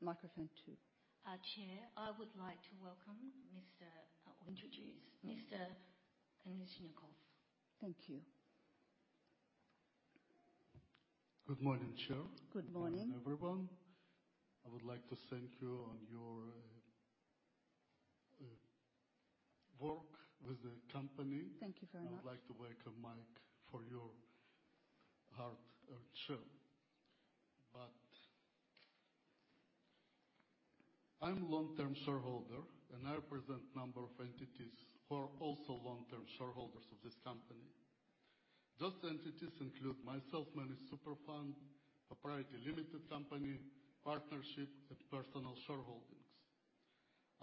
microphone two. Chair, I would like to welcome Mr. or introduce Mr. Kanizhnikov. Thank you. Good morning, Chair. Good morning. Everyone. I would like to thank you for your work with the company. Thank you very much. I would like to welcome Mike Hirst, our Chair. But I'm a long-term shareholder, and I represent a number of entities who are also long-term shareholders of this company. Those entities include myself, Managed Superfund, a proprietary limited company, partnership, and personal shareholdings.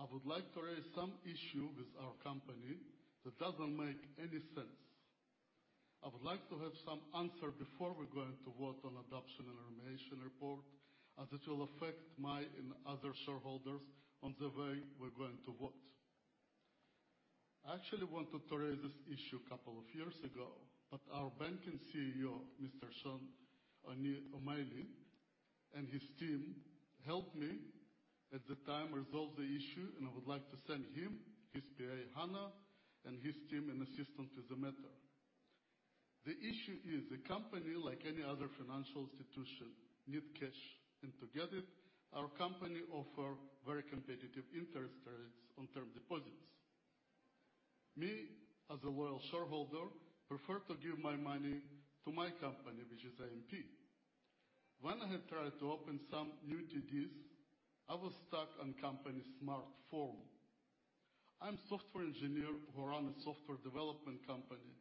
I would like to raise some issue with our company that doesn't make any sense. I would like to have some answer before we're going to vote on adoption of the remuneration report as it will affect my and other shareholders on the way we're going to vote. I actually wanted to raise this issue a couple of years ago, but our banking CEO, Mr. Sean O'Malley and his team helped me at the time resolve the issue, and I would like to thank him, his PA, Hannah, and his team in assistance with the matter. The issue is the company, like any other financial institution, needs cash, and to get it, our company offers very competitive interest rates on term deposits. Me, as a loyal shareholder, prefer to give my money to my company, which is AMP. When I had tried to open some new TDs, I was stuck on company smart form. I'm a software engineer who runs a software development company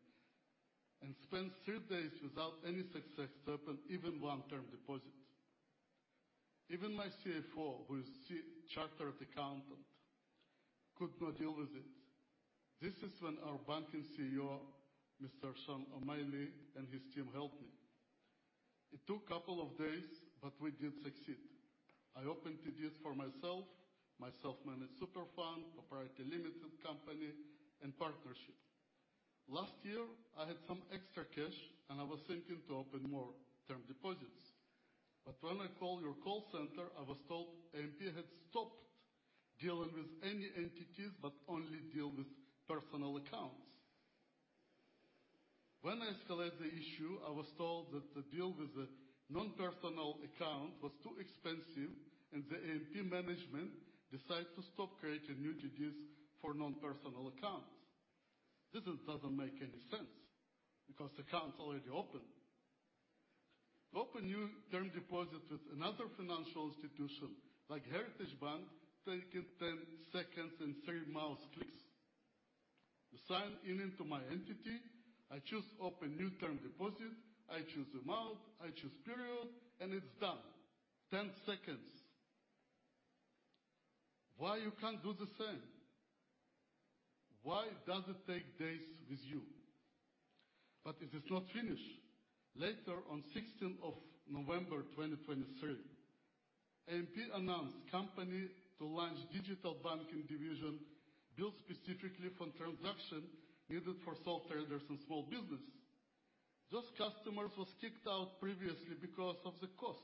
and spent three days without any success to open even one term deposit. Even my CFO, who is a chartered accountant, could not deal with it. This is when our banking CEO, Mr. Sean O'Malley, and his team helped me. It took a couple of days, but we did succeed. I opened TDs for myself, self-managed super fund, proprietary limited company, and partnership. Last year, I had some extra cash, and I was thinking to open more term deposits. But when I called your call center, I was told AMP had stopped dealing with any entities but only deal with personal accounts. When I escalated the issue, I was told that the deal with the non-personal account was too expensive, and the AMP management decided to stop creating new TDs for non-personal accounts. This doesn't make any sense because the account's already open. To open new term deposits with another financial institution like Heritage Bank takes 10 seconds and 3 mouse clicks. You sign in into my entity. I choose to open new term deposit. I choose the amount. I choose period. And it's done. 10 seconds. Why you can't do the same? Why does it take days with you? But it is not finished. Later, on 16 November 2023, AMP announced company to launch digital banking division built specifically for transaction needed for sole traders and small business. Those customers were kicked out previously because of the cost.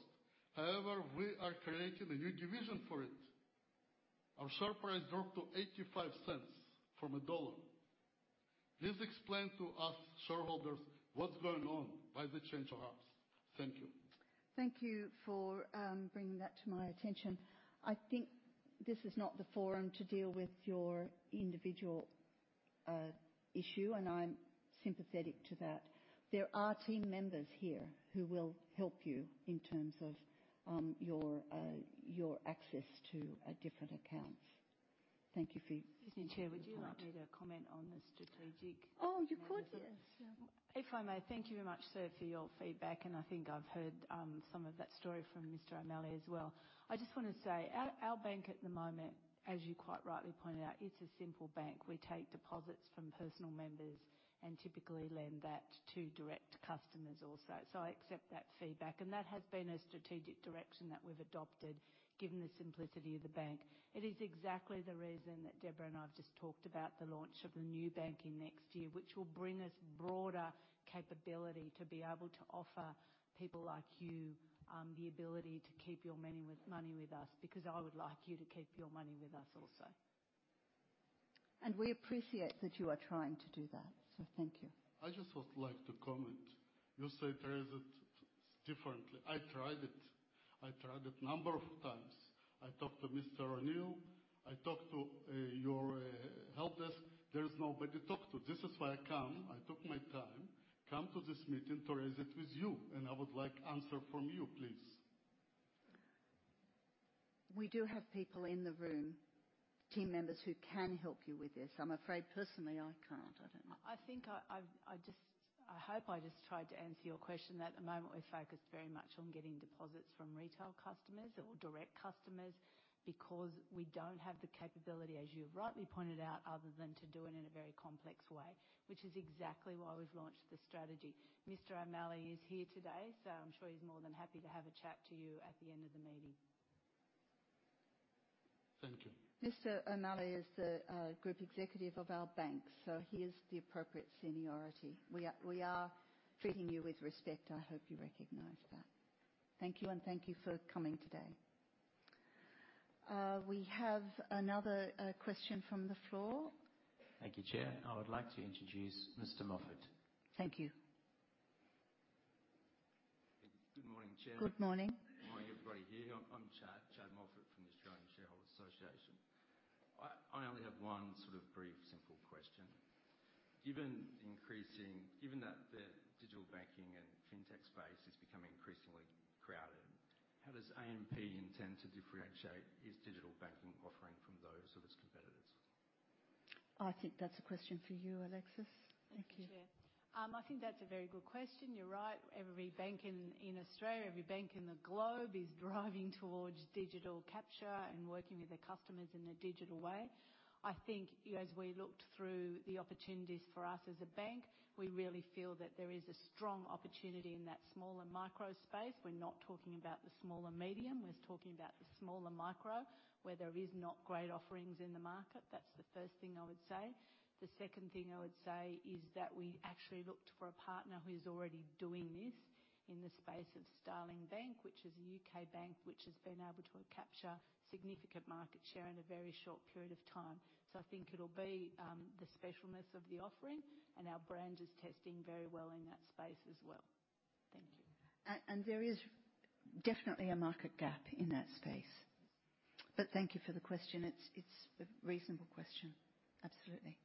However, we are creating a new division for it. Our share price dropped to 0.85 from AUD 1. Please explain to us shareholders what's going on by the change of apps. Thank you. Thank you for bringing that to my attention. I think this is not the forum to deal with your individual issue, and I'm sympathetic to that. There are team members here who will help you in terms of your access to different accounts. Thank you for. Excuse me, Chair. Would you like me to comment on the strategic measures? Oh, you could. Yes. If I may, thank you very much, sir, for your feedback, and I think I've heard some of that story from Mr. O'Malley as well. I just want to say our bank at the moment, as you quite rightly pointed out, it's a simple bank. We take deposits from personal members and typically lend that to direct customers also. So I accept that feedback, and that has been a strategic direction that we've adopted given the simplicity of the bank. It is exactly the reason that Debra and I have just talked about the launch of the new banking next year, which will bring us broader capability to be able to offer people like you the ability to keep your money with us because I would like you to keep your money with us also. We appreciate that you are trying to do that, so thank you. I just would like to comment. You say to raise it differently. I tried it. I tried it a number of times. I talked to Mr. O'Neill. I talked to your help desk. There is nobody to talk to. This is why I come. I took my time, come to this meeting to raise it with you, and I would like answer from you, please. We do have people in the room, team members, who can help you with this. I'm afraid, personally, I can't. I don't know. I think I just I hope I just tried to answer your question that at the moment, we're focused very much on getting deposits from retail customers or direct customers because we don't have the capability, as you have rightly pointed out, other than to do it in a very complex way, which is exactly why we've launched the strategy. Mr. O'Malley is here today, so I'm sure he's more than happy to have a chat to you at the end of the meeting. Thank you. Mr. O'Malley is the group executive of our bank, so he is the appropriate seniority. We are treating you with respect. I hope you recognize that. Thank you, and thank you for coming today. We have another question from the floor. Thank you, Chair. I would like to introduce Mr. Moffatt. Thank you. Good morning, Chair. Good morning. Good morning, everybody here. I'm Chad Moffatt from the Australian Shareholders' Association. I only have one sort of brief, simple question. Given that the digital banking and fintech space is becoming increasingly crowded, how does AMP intend to differentiate its digital banking offering from those of its competitors? I think that's a question for you, Alexis. Thank you. Thank you, Chair. I think that's a very good question. You're right. Every bank in Australia, every bank in the globe is driving towards digital capture and working with their customers in a digital way. I think, as we looked through the opportunities for us as a bank, we really feel that there is a strong opportunity in that small and micro space. We're not talking about the small and medium. We're talking about the small and micro where there are not great offerings in the market. That's the first thing I would say. The second thing I would say is that we actually looked for a partner who is already doing this in the space of Starling Bank, which is a UK bank which has been able to capture significant market share in a very short period of time. So I think it'll be the specialness of the offering, and our brand is testing very well in that space as well. Thank you. And there is definitely a market gap in that space. But thank you for the question. It's a reasonable question. Absolutely.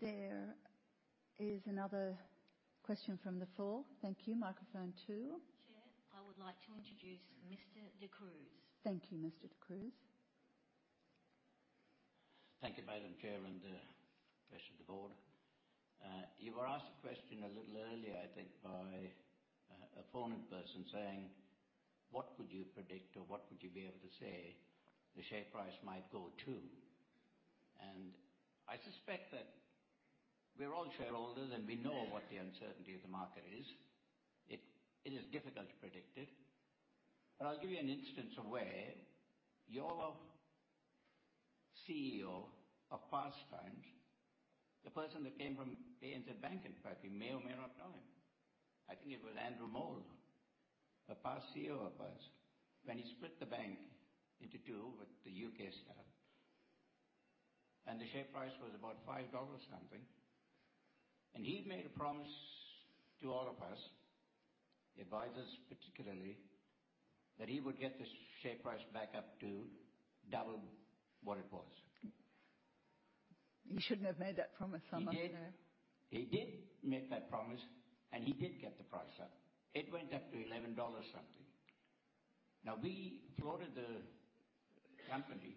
There is another question from the floor. Thank you. Microphone two. Chair, I would like to introduce Mr. De Cruz. Thank you, Mr. De Cruz. Thank you, Madam Chair and the rest of the board. You were asked a question a little earlier, I think, by a foreign person saying, "What could you predict or what could you be able to say the share price might go to?" And I suspect that we're all shareholders, and we know what the uncertainty of the market is. It is difficult to predict it. But I'll give you an instance of where your CEO of past times, the person that came from ANZ Bank, in fact, we may or may not know him. I think it was Andrew Mohl, a past CEO of us, when he split the bank into two with the U.K. staff, and the share price was about 5 dollars something. And he made a promise to all of us, advisors particularly, that he would get the share price back up to double what it was. He shouldn't have made that promise. I'm not sure. He did make that promise, and he did get the price up. It went up to 11 dollars something. Now, we floated the company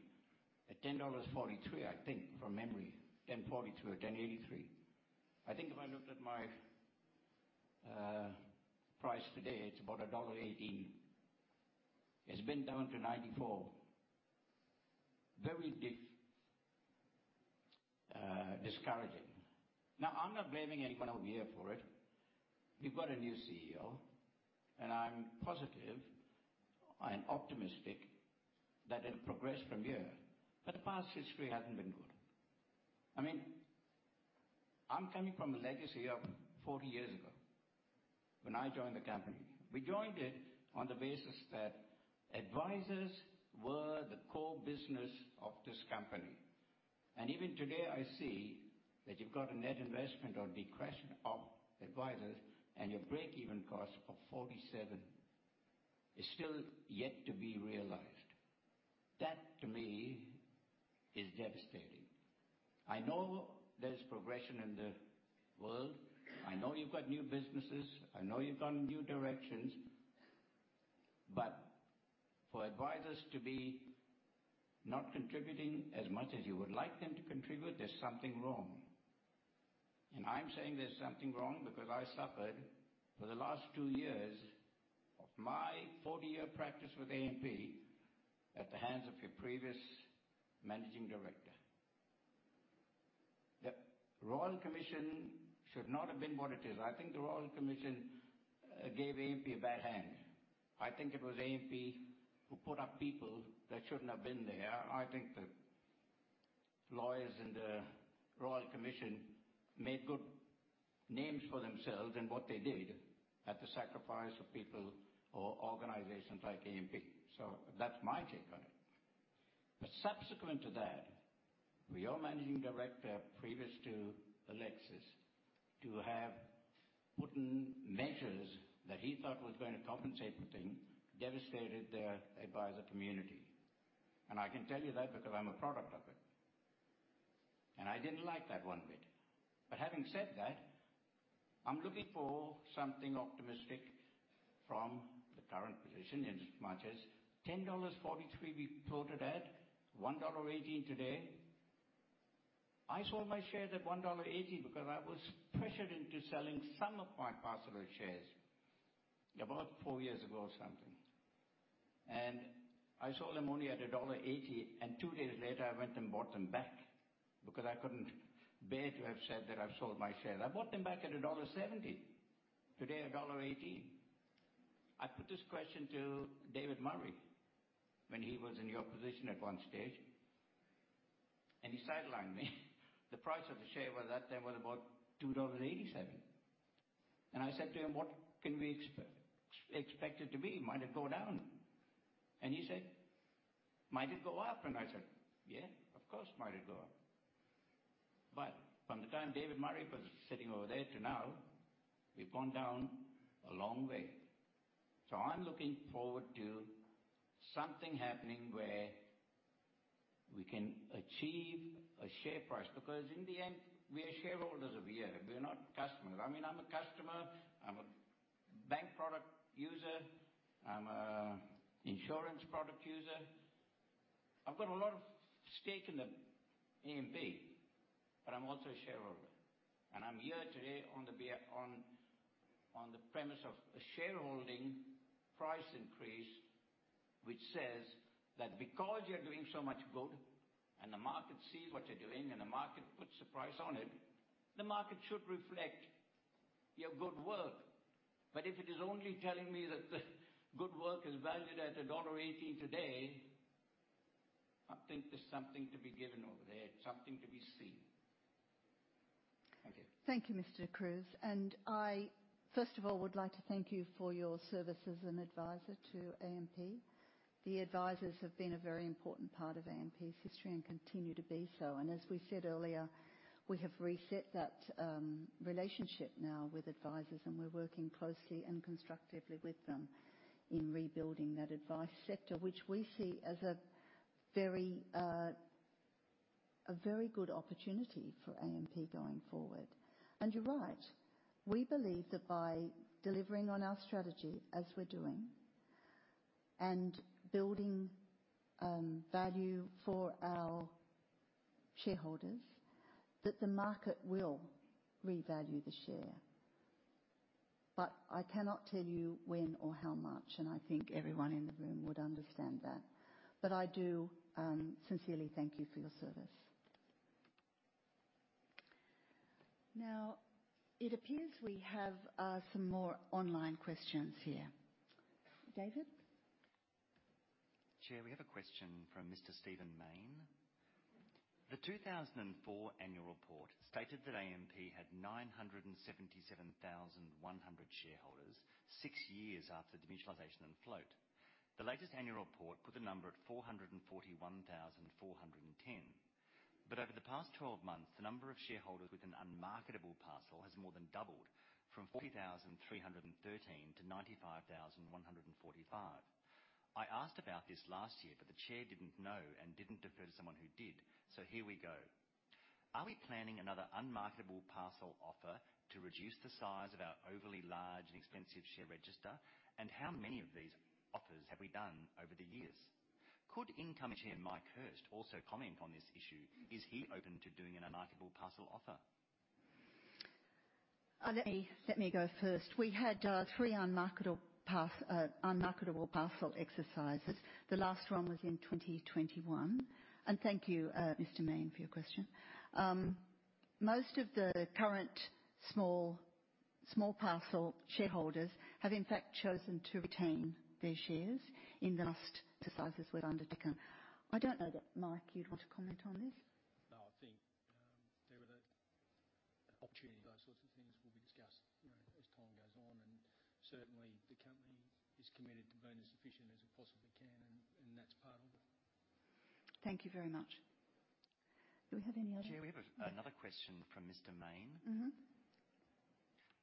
at 10.43 dollars, I think, from memory, 10.43 or 10.83. I think if I looked at my price today, it's about dollar 1.18. It's been down to 0.94, very discouraging. Now, I'm not blaming anyone over here for it. We've got a new CEO, and I'm positive and optimistic that it'll progress from here. But the past history hasn't been good. I mean, I'm coming from a legacy of 40 years ago when I joined the company. We joined it on the basis that advisors were the core business of this company. And even today, I see that you've got a net investment or decrease of advisors, and your breakeven cost of 47 is still yet to be realized. That, to me, is devastating. I know there's progression in the world. I know you've got new businesses. I know you've gone in new directions. But for advisors to be not contributing as much as you would like them to contribute, there's something wrong. And I'm saying there's something wrong because I suffered for the last two years of my 40-year practice with AMP at the hands of your previous managing director. The Royal Commission should not have been what it is. I think the Royal Commission gave AMP a bad hand. I think it was AMP who put up people that shouldn't have been there. I think the lawyers in the Royal Commission made good names for themselves in what they did at the sacrifice of people or organizations like AMP. So that's my take on it. But subsequent to that, for your managing director, previous to Alexis, to have put in measures that he thought was going to compensate for things devastated the advisor community. And I can tell you that because I'm a product of it. And I didn't like that one bit. But having said that, I'm looking for something optimistic from the current position, in as much as 10.43 dollars we floated at, 1.18 dollar today. I sold my share at 1.80 dollar because I was pressured into selling some of my parcel of shares about four years ago or something. And I sold them only at dollar 1.80, and two days later, I went and bought them back because I couldn't bear to have said that I've sold my shares. I bought them back at dollar 1.70, today dollar 1.18. I put this question to David Murray when he was in your position at one stage, and he sidelined me. The price of the share at that time was about 2.87 dollars. And I said to him, "What can we expect it to be? Might it go down?" And he said, "Might it go up?" And I said, "Yeah, of course, might it go up." But from the time David Murray was sitting over there to now, we've gone down a long way. So I'm looking forward to something happening where we can achieve a share price because, in the end, we are shareholders of here. We're not customers. I mean, I'm a customer. I'm a bank product user. I'm an insurance product user. I've got a lot of stake in AMP, but I'm also a shareholder. And I'm here today on the premise of a shareholding price increase which says that because you're doing so much good and the market sees what you're doing and the market puts a price on it, the market should reflect your good work. But if it is only telling me that the good work is valued at dollar 1.18 today, I think there's something to be given over there, something to be seen. Thank you. Thank you, Mr. De Cruz. And I, first of all, would like to thank you for your services as an advisor to AMP. The advisors have been a very important part of AMP's history and continue to be so. And as we said earlier, we have reset that relationship now with advisors, and we're working closely and constructively with them in rebuilding that advice sector, which we see as a very good opportunity for AMP going forward. And you're right. We believe that by delivering on our strategy as we're doing and building value for our shareholders, that the market will revalue the share. But I cannot tell you when or how much, and I think everyone in the room would understand that. But I do sincerely thank you for your service. Now, it appears we have some more online questions here. David? Chair, we have a question from Mr. Stephen Mayne. The 2004 annual report stated that AMP had 977,100 shareholders six years after demutualization and float. The latest annual report put the number at 441,410. But over the past 12 months, the number of shareholders with an unmarketable parcel has more than doubled from 40,313 to 95,145. I asked about this last year, but the chair didn't know and didn't defer to someone who did, so here we go. Are we planning another unmarketable parcel offer to reduce the size of our overly large and expensive share register, and how many of these offers have we done over the years? Could Incoming Chair Mike Hirst also comment on this issue? Is he open to doing an unmarketable parcel offer? Let me go first. We had 3 unmarketable parcel exercises. The last one was in 2021. And thank you, Mr. Mayne, for your question. Most of the current small parcel shareholders have, in fact, chosen to retain their shares in the last exercises we've undertaken. I don't know that, Mike, you'd want to comment on this? No, I think, David, that opportunity and those sorts of things will be discussed as time goes on. And certainly, the company is committed to being as efficient as it possibly can, and that's part of it. Thank you very much. Do we have any other? Chair, we have another question from Mr. Mayne.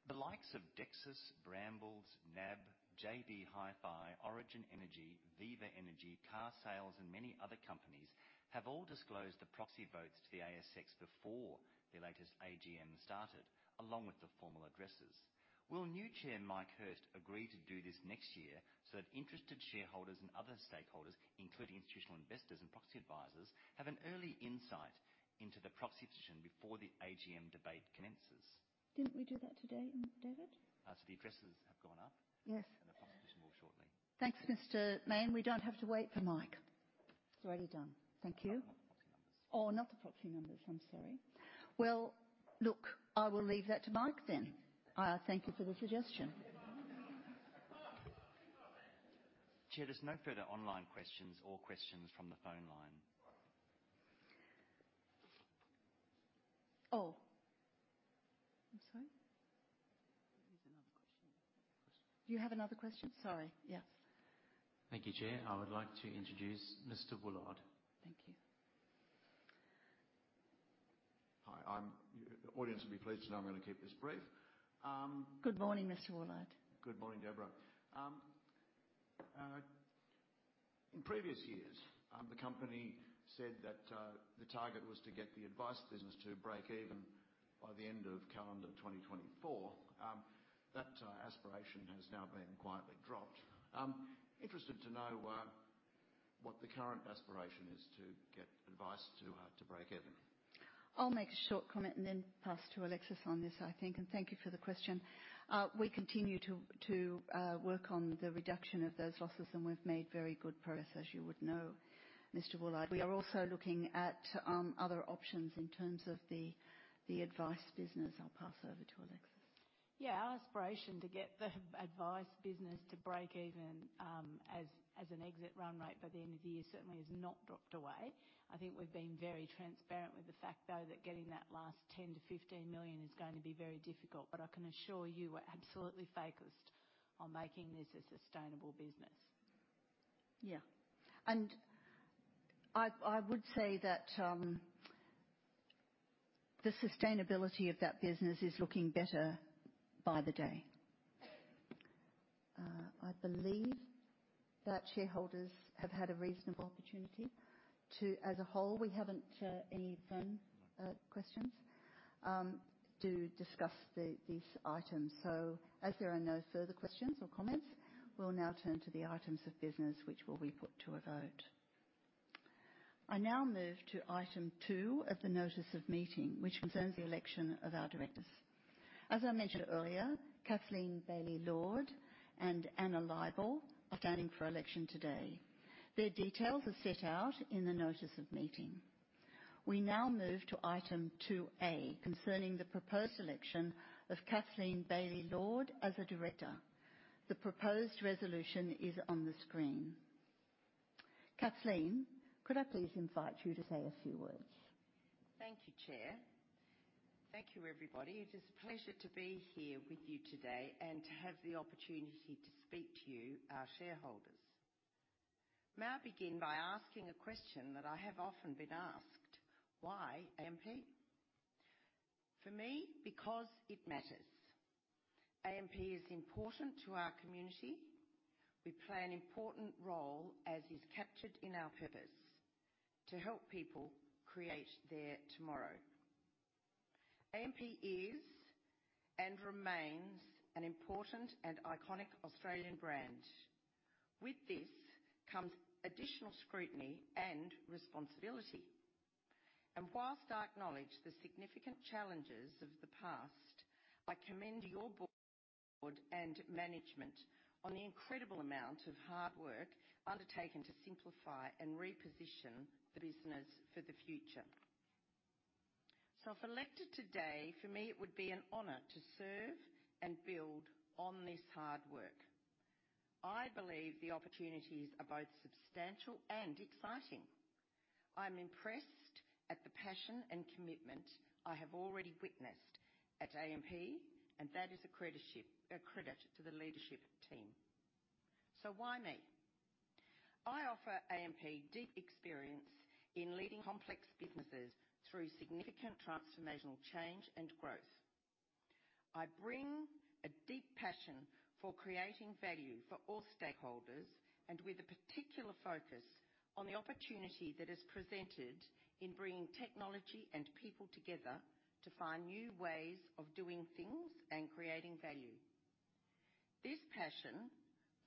The likes of Dexus, Brambles, NAB, JB Hi-Fi, Origin Energy, Viva Energy, Carsales, and many other companies have all disclosed the proxy votes to the ASX before the latest AGM started, along with the formal addresses. Will new Chair Mike Hirst agree to do this next year so that interested shareholders and other stakeholders, including institutional investors and proxy advisors, have an early insight into the proxy position before the AGM debate commences? Didn't we do that today, David? So the addresses have gone up, and the proxy position will shortly. Thanks, Mr. Mayne. We don't have to wait for Mike. It's already done. Thank you. Oh, not the proxy numbers. Oh, not the proxy numbers. I'm sorry. Well, look, I will leave that to Mike then. I thank you for the suggestion. Chair, there's no further online questions or questions from the phone line. Oh. I'm sorry. There's another question. Do you have another question? Sorry. Yes. Thank you, Chair. I would like to introduce Mr. Wall. Thank you. Hi. The audience would be pleased to know I'm going to keep this brief. Good morning, Mr. Wall. Good morning, Debra. In previous years, the company said that the target was to get the advice business to break even by the end of calendar 2024. That aspiration has now been quietly dropped. I'm interested to know what the current aspiration is to get advice to brea k even. I'll make a short comment and then pass to Alexis on this, I think. And thank you for the question. We continue to work on the reduction of those losses, and we've made very good progress, as you would know, Mr. Wall. We are also looking at other options in terms of the advice business. I'll pass over to Alexis. Yeah, our aspiration to get the advice business to break even as an exit run rate by the end of the year certainly has not dropped away. I think we've been very transparent with the fact, though, that getting that last 10 million-15 million is going to be very difficult. But I can assure you we're absolutely focused on making this a sustainable business. Yeah. And I would say that the sustainability of that business is looking better by the day. I believe that shareholders have had a reasonable opportunity to, as a whole we haven't any firm questions, to discuss these items. So as there are no further questions or comments, we'll now turn to the items of business which will be put to a vote. I now move to item two of the notice of meeting, which concerns the election of our directors. As I mentioned earlier, Kathleen Bailey-Lord and Anna Leibel are standing for election today. Their details are set out in the notice of meeting. We now move to item 2A concerning the proposed election of Kathleen Bailey-Lord as a director. The proposed resolution is on the screen. Kathleen, could I please invite you to say a few words? Thank you, chair. Thank you, everybody. It is a pleasure to be here with you today and to have the opportunity to speak to you, our shareholders. May I begin by asking a question that I have often been asked: why AMP? For me, because it matters. AMP is important to our community. We play an important role, as is captured in our purpose, to help people create their tomorrow. AMP is and remains an important and iconic Australian brand. With this comes additional scrutiny and responsibility. While I acknowledge the significant challenges of the past, I commend your board and management on the incredible amount of hard work undertaken to simplify and reposition the business for the future. So if elected today, for me, it would be an honor to serve and build on this hard work. I believe the opportunities are both substantial and exciting. I'm impressed at the passion and commitment I have already witnessed at AMP, and that is a credit to the leadership team. So why me? I offer AMP deep experience in leading complex businesses through significant transformational change and growth. I bring a deep passion for creating value for all stakeholders, and with a particular focus on the opportunity that is presented in bringing technology and people together to find new ways of doing things and creating value. This passion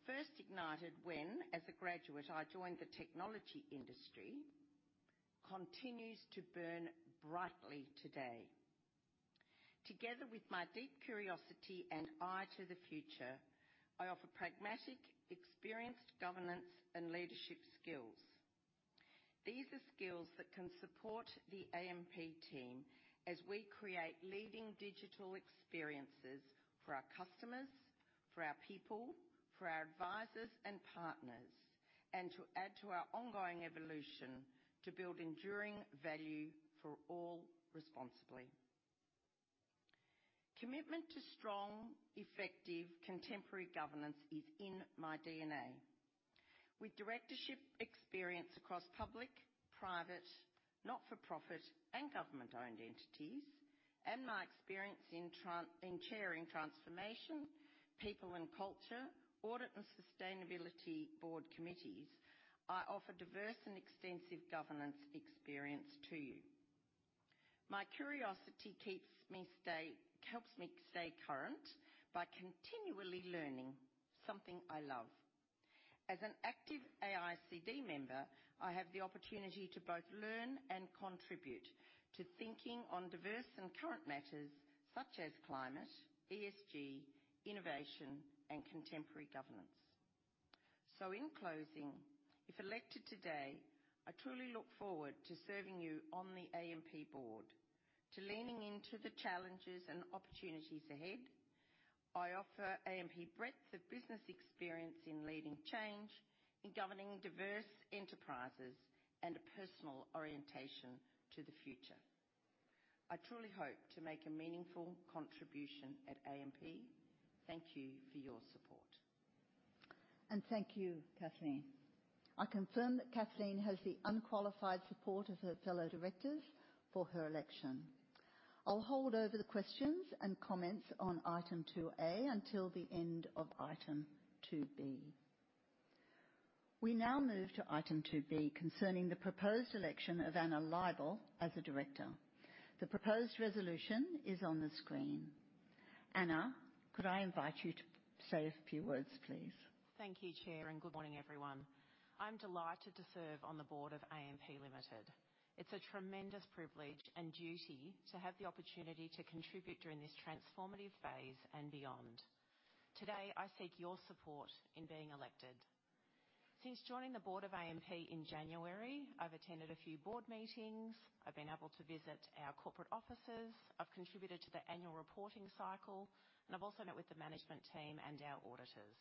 first ignited when, as a graduate, I joined the technology industry, continues to burn brightly today. Together with my deep curiosity and eye to the future, I offer pragmatic, experienced governance and leadership skills. These are skills that can support the AMP team as we create leading digital experiences for our customers, for our people, for our advisors and partners, and to add to our ongoing evolution to build enduring value for all responsibly. Commitment to strong, effective, contemporary governance is in my DNA. With directorship experience across public, private, not-for-profit, and government-owned entities, and my experience in chairing transformation, people, and culture, audit and sustainability board committees, I offer diverse and extensive governance experience to you. My curiosity helps me stay current by continually learning something I love. As an active AICD member, I have the opportunity to both learn and contribute to thinking on diverse and current matters such as climate, ESG, innovation, and contemporary governance. So in closing, if elected today, I truly look forward to serving you on the AMP board, to leaning into the challenges and opportunities ahead. I offer AMP breadth of business experience in leading change, in governing diverse enterprises, and a personal orientation to the future. I truly hope to make a meaningful contribution at AMP. Thank you for your support. Thank you, Kathleen. I confirm that Kathleen has the unqualified support of her fellow directors for her election. I'll hold over the questions and comments on item 2A until the end of item 2B. We now move to item 2B concerning the proposed election of Anna Leibel as a director. The proposed resolution is on the screen. Anna, could I invite you to say a few words, please? Thank you, Chair, and good morning, everyone. I'm delighted to serve on the board of AMP Limited. It's a tremendous privilege and duty to have the opportunity to contribute during this transformative phase and beyond. Today, I seek your support in being elected. Since joining the board of AMP in January, I've attended a few board meetings. I've been able to visit our corporate offices. I've contributed to the annual reporting cycle, and I've also met with the management team and our auditors.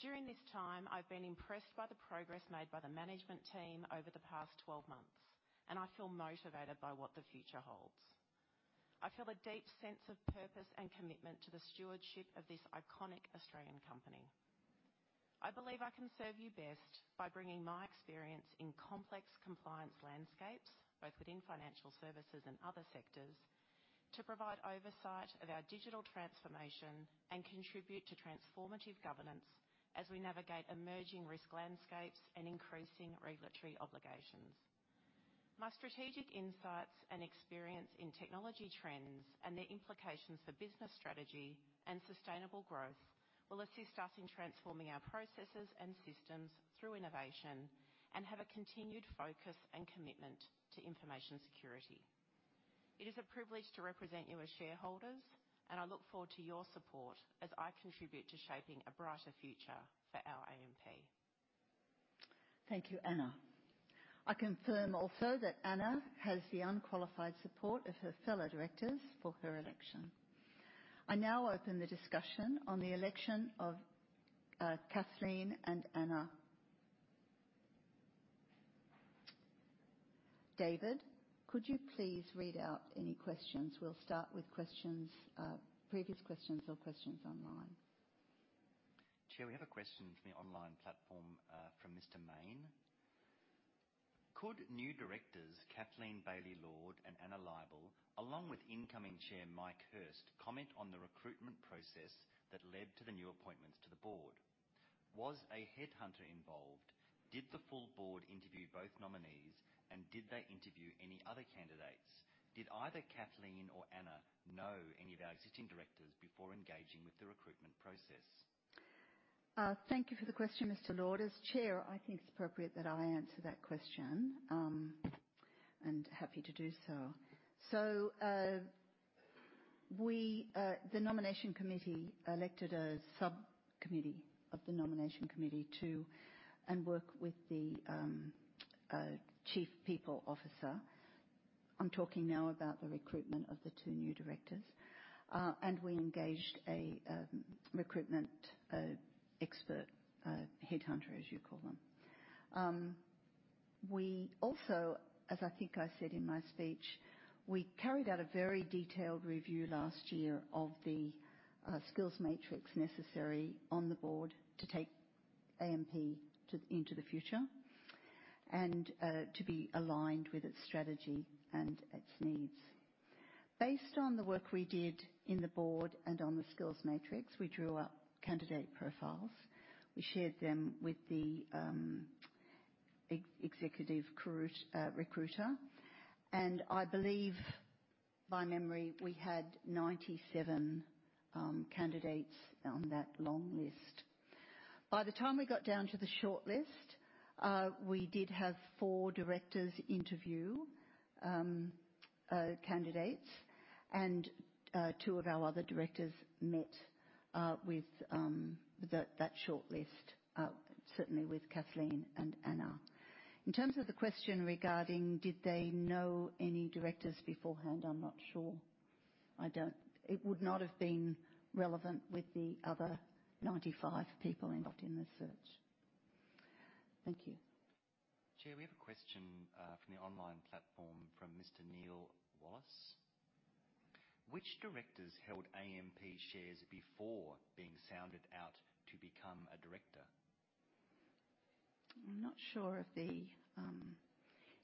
During this time, I've been impressed by the progress made by the management team over the past 12 months, and I feel motivated by what the future holds. I feel a deep sense of purpose and commitment to the stewardship of this iconic Australian company. I believe I can serve you best by bringing my experience in complex compliance landscapes, both within financial services and other sectors, to provide oversight of our digital transformation and contribute to transformative governance as we navigate emerging risk landscapes and increasing regulatory obligations. My strategic insights and experience in technology trends and their implications for business strategy and sustainable growth will assist us in transforming our processes and systems through innovation and have a continued focus and commitment to information security. It is a privilege to represent you as shareholders, and I look forward to your support as I contribute to shaping a brighter future for our AMP. Thank you, Anna. I confirm also that Anna has the unqualified support of her fellow directors for her election. I now open the discussion on the election of Kathleen and Anna. David, could you please read out any questions? We'll start with previous questions or questions online. Chair, we have a question from the online platform from Mr. Mayne. Could new directors Kathleen Bailey-Lord and Anna Leibel, along with incoming chair Mike Hirst, comment on the recruitment process that led to the new appointments to the board? Was a headhunter involved? Did the full board interview both nominees, and did they interview any other candidates? Did either Kathleen or Anna know any of our existing directors before engaging with the recruitment process? Thank you for the question, Mr. Mayne. As chair, I think it's appropriate that I answer that question and happy to do so. So the nomination committee elected a subcommittee of the nomination committee to work with the chief people officer. I'm talking now about the recruitment of the two new directors. And we engaged a recruitment expert, headhunter, as you call them. As I think I said in my speech, we carried out a very detailed review last year of the skills matrix necessary on the board to take AMP into the future and to be aligned with its strategy and its needs. Based on the work we did in the board and on the skills matrix, we drew up candidate profiles. We shared them with the executive recruiter. I believe, by memory, we had 97 candidates on that long list. By the time we got down to the short list, we did have 4 directors interview candidates, and 2 of our other directors met with that short list, certainly with Kathleen and Anna. In terms of the question regarding did they know any directors beforehand, I'm not sure. It would not have been relevant with the other 95 people involved in the search. Thank you. Chair, we have a question from the online platform from Mr. Neil Wallace. Which directors held AMP shares before being sounded out to become a director? I'm not sure of the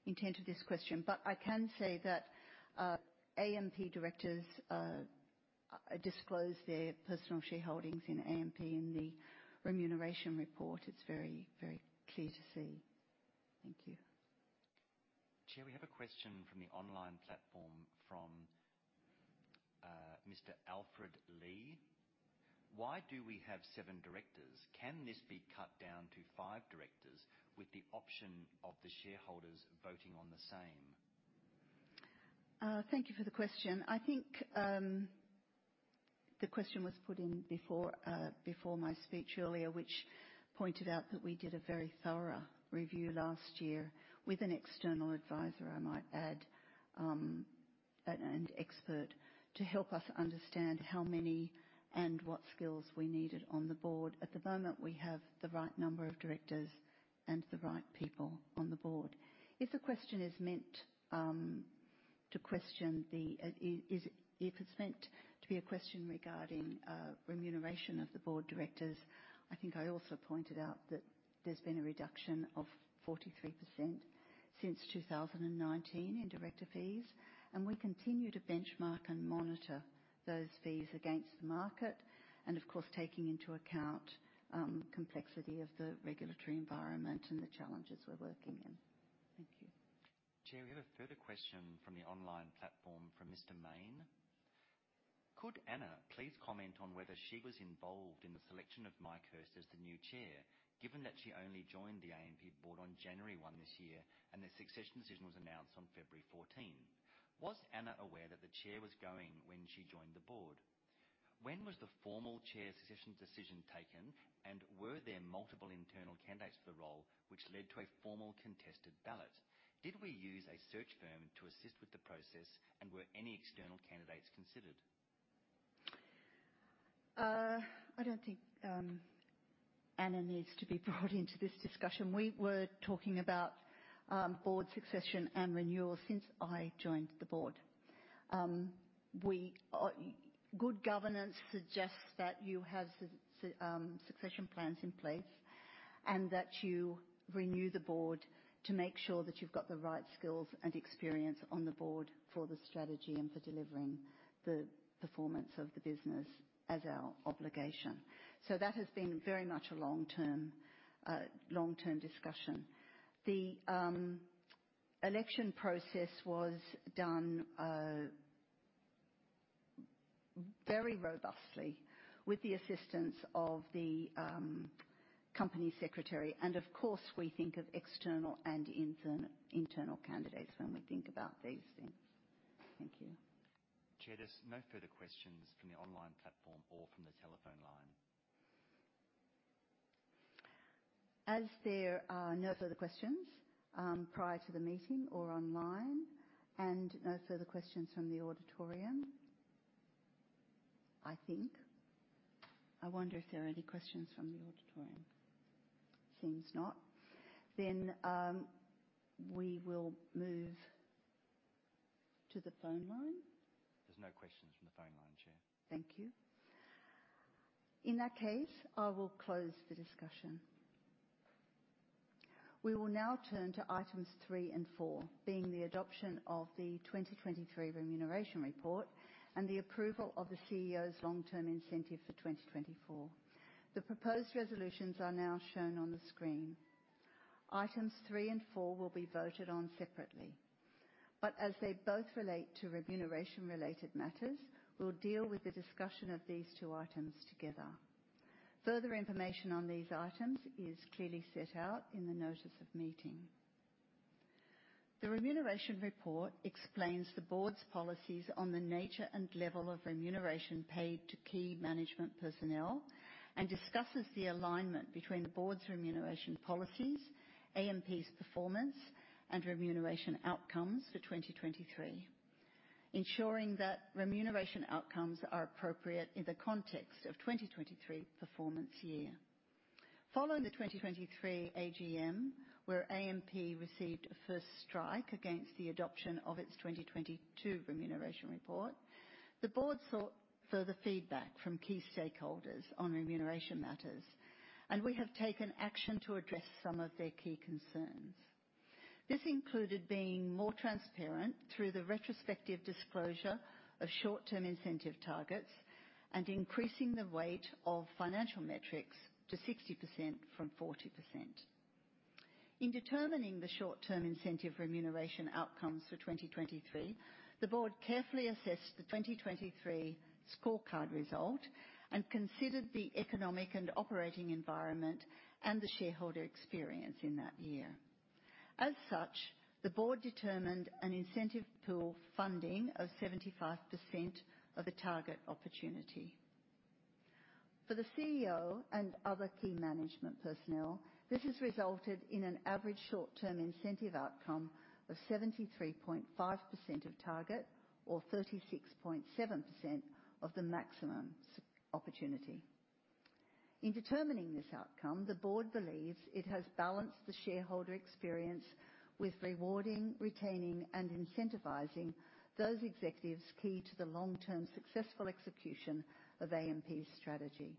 intent of this question, but I can say that AMP directors disclose their personal shareholdings in AMP in the remuneration report. It's very, very clear to see. Thank you. Chair, we have a question from the online platform from Mr. Alfred Lee. Why do we have seven directors? Can this be cut down to five directors with the option of the shareholders voting on the same? Thank you for the question. I think the question was put in before my speech earlier, which pointed out that we did a very thorough review last year with an external advisor, I might add, an expert to help us understand how many and what skills we needed on the board. At the moment, we have the right number of directors and the right people on the board. If the question is meant to be a question regarding remuneration of the board directors, I think I also pointed out that there's been a reduction of 43% since 2019 in director fees. We continue to benchmark and monitor those fees against the market and, of course, taking into account the complexity of the regulatory environment and the challenges we're working in. Thank you. Chair, we have a further question from the online platform from Mr. Mayne. Could Anna please comment on whether she was involved in the selection of Mike Hirst as the new chair, given that she only joined the AMP board on January 1 this year and the succession decision was announced on February 14? Was Anna aware that the chair was going when she joined the board? When was the formal chair succession decision taken, and were there multiple internal candidates for the role, which led to a formal contested ballot? Did we use a search firm to assist with the process, and were any external candidates considered? I don't think Anna needs to be brought into this discussion. We were talking about board succession and renewal since I joined the board. Good governance suggests that you have succession plans in place and that you renew the board to make sure that you've got the right skills and experience on the board for the strategy and for delivering the performance of the business as our obligation. So that has been very much a long-term discussion. The election process was done very robustly with the assistance of the company secretary. And, of course, we think of external and internal candidates when we think about these things. Thank you. Chair, there's no further questions from the online platform or from the telephone line. As there are no further questions prior to the meeting or online and no further questions from the auditorium, I think. I wonder if there are any questions from the auditorium. Seems not. Then we will move to the phone line. There's no questions from the phone line, chair. Thank you. In that case, I will close the discussion. We will now turn to items 3 and 4, being the adoption of the 2023 remuneration report and the approval of the CEO's long-term incentive for 2024. The proposed resolutions are now shown on the screen. Items 3 and 4 will be voted on separately. But as they both relate to remuneration-related matters, we'll deal with the discussion of these two items together. Further information on these items is clearly set out in the notice of meeting. The remuneration report explains the board's policies on the nature and level of remuneration paid to key management personnel and discusses the alignment between the board's remuneration policies, AMP's performance, and remuneration outcomes for 2023, ensuring that remuneration outcomes are appropriate in the context of 2023 performance year. Following the 2023 AGM, where AMP received a first strike against the adoption of its 2022 remuneration report, the board sought further feedback from key stakeholders on remuneration matters, and we have taken action to address some of their key concerns. This included being more transparent through the retrospective disclosure of short-term incentive targets and increasing the weight of financial metrics to 60% from 40%. In determining the short-term incentive remuneration outcomes for 2023, the board carefully assessed the 2023 scorecard result and considered the economic and operating environment and the shareholder experience in that year. As such, the board determined an incentive pool funding of 75% of the target opportunity. For the CEO and other key management personnel, this has resulted in an average short-term incentive outcome of 73.5% of target or 36.7% of the maximum opportunity. In determining this outcome, the board believes it has balanced the shareholder experience with rewarding, retaining, and incentivizing those executives key to the long-term successful execution of AMP's strategy.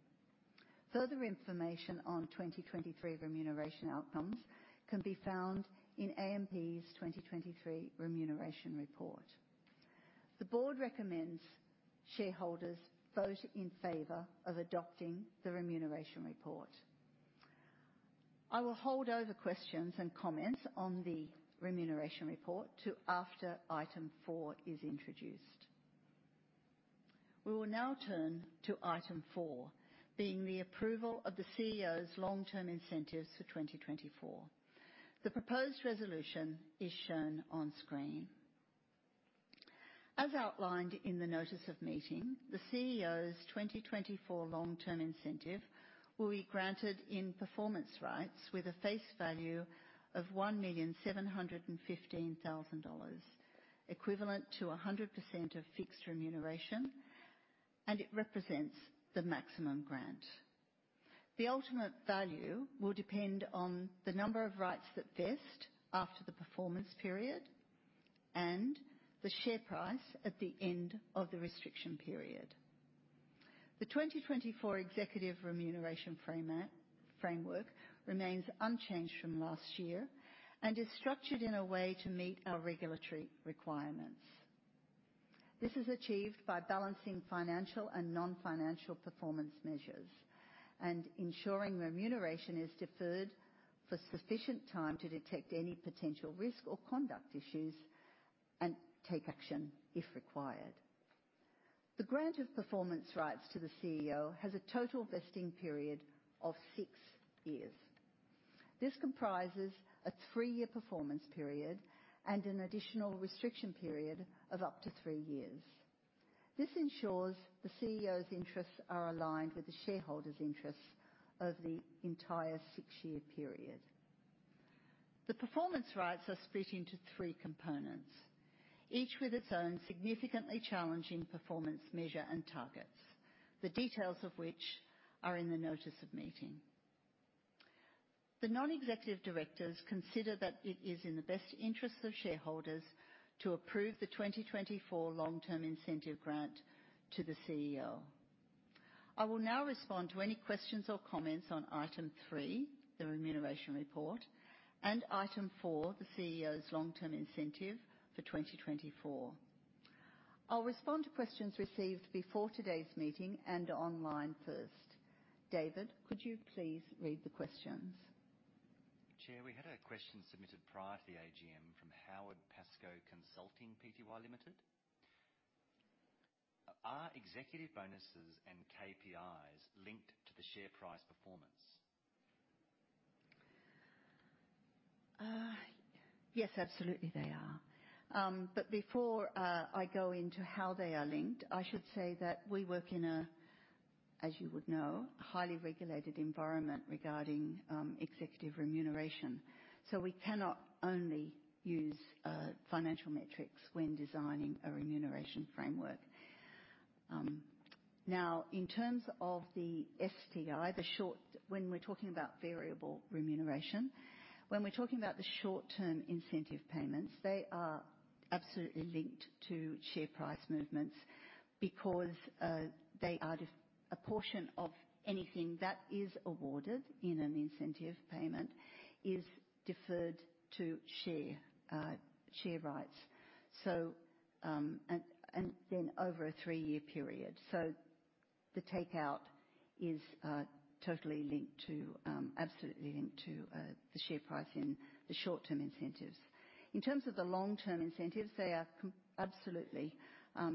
Further information on 2023 remuneration outcomes can be found in AMP's 2023 remuneration report. The board recommends shareholders vote in favor of adopting the remuneration report. I will hold over questions and comments on the remuneration report to after item 4 is introduced. We will now turn to item 4, being the approval of the CEO's long-term incentives for 2024. The proposed resolution is shown on screen. As outlined in the notice of meeting, the CEO's 2024 long-term incentive will be granted in performance rights with a face value of 1,715,000 dollars, equivalent to 100% of fixed remuneration, and it represents the maximum grant. The ultimate value will depend on the number of rights that vest after the performance period and the share price at the end of the restriction period. The 2024 executive remuneration framework remains unchanged from last year and is structured in a way to meet our regulatory requirements. This is achieved by balancing financial and non-financial performance measures and ensuring remuneration is deferred for sufficient time to detect any potential risk or conduct issues and take action if required. The grant of performance rights to the CEO has a total vesting period of six years. This comprises a three-year performance period and an additional restriction period of up to three years. This ensures the CEO's interests are aligned with the shareholders' interests over the entire six-year period. The performance rights are split into three components, each with its own significantly challenging performance measure and targets, the details of which are in the notice of meeting. The non-executive directors consider that it is in the best interests of shareholders to approve the 2024 long-term incentive grant to the CEO. I will now respond to any questions or comments on item 3, the remuneration report, and item 4, the CEO's long-term incentive for 2024. I'll respond to questions received before today's meeting and online first. David, could you please read the questions? Chair, we had a question submitted prior to the AGM from Howard Pascoe Consulting Pty Ltd. Are executive bonuses and KPIs linked to the share price performance? Yes, absolutely, they are. But before I go into how they are linked, I should say that we work in a, as you would know, highly regulated environment regarding executive remuneration. So we cannot only use financial metrics when designing a remuneration framework. Now, in terms of the STI, when we're talking about variable remuneration, when we're talking about the short-term incentive payments, they are absolutely linked to share price movements because a portion of anything that is awarded in an incentive payment is deferred to share rights and then over a three-year period. So the takeout is absolutely linked to the share price in the short-term incentives. In terms of the long-term incentives, they are absolutely,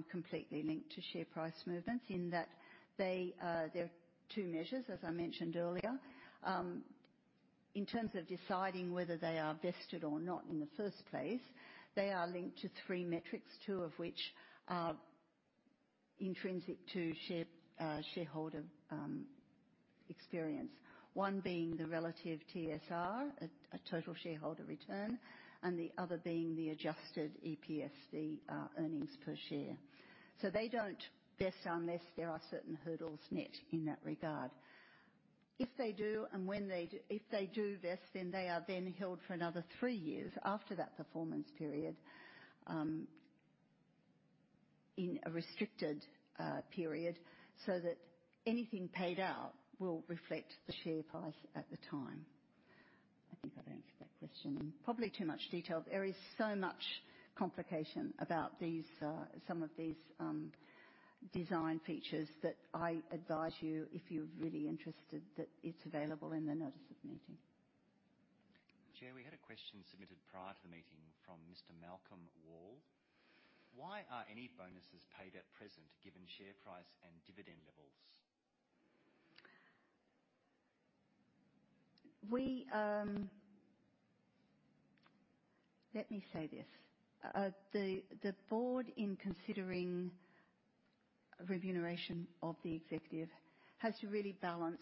completely linked to share price movements in that there are two measures, as I mentioned earlier. In terms of deciding whether they are vested or not in the first place, they are linked to three metrics, two of which are intrinsic to shareholder experience, one being the relative TSR, a total shareholder return, and the other being the adjusted EPS, the earnings per share. So they don't vest unless there are certain hurdles met in that regard. If they do and when they do vest, then they are then held for another three years after that performance period in a restricted period so that anything paid out will reflect the share price at the time. I think I've answered that question in probably too much detail. There is so much complication about some of these design features that I advise you, if you're really interested, that it's available in the notice of meeting. Chair, we had a question submitted prior to the meeting from Mr. Malcolm Wall. Why are any bonuses paid at present given share price and dividend levels? Let me say this. The board, in considering remuneration of the executive, has to really balance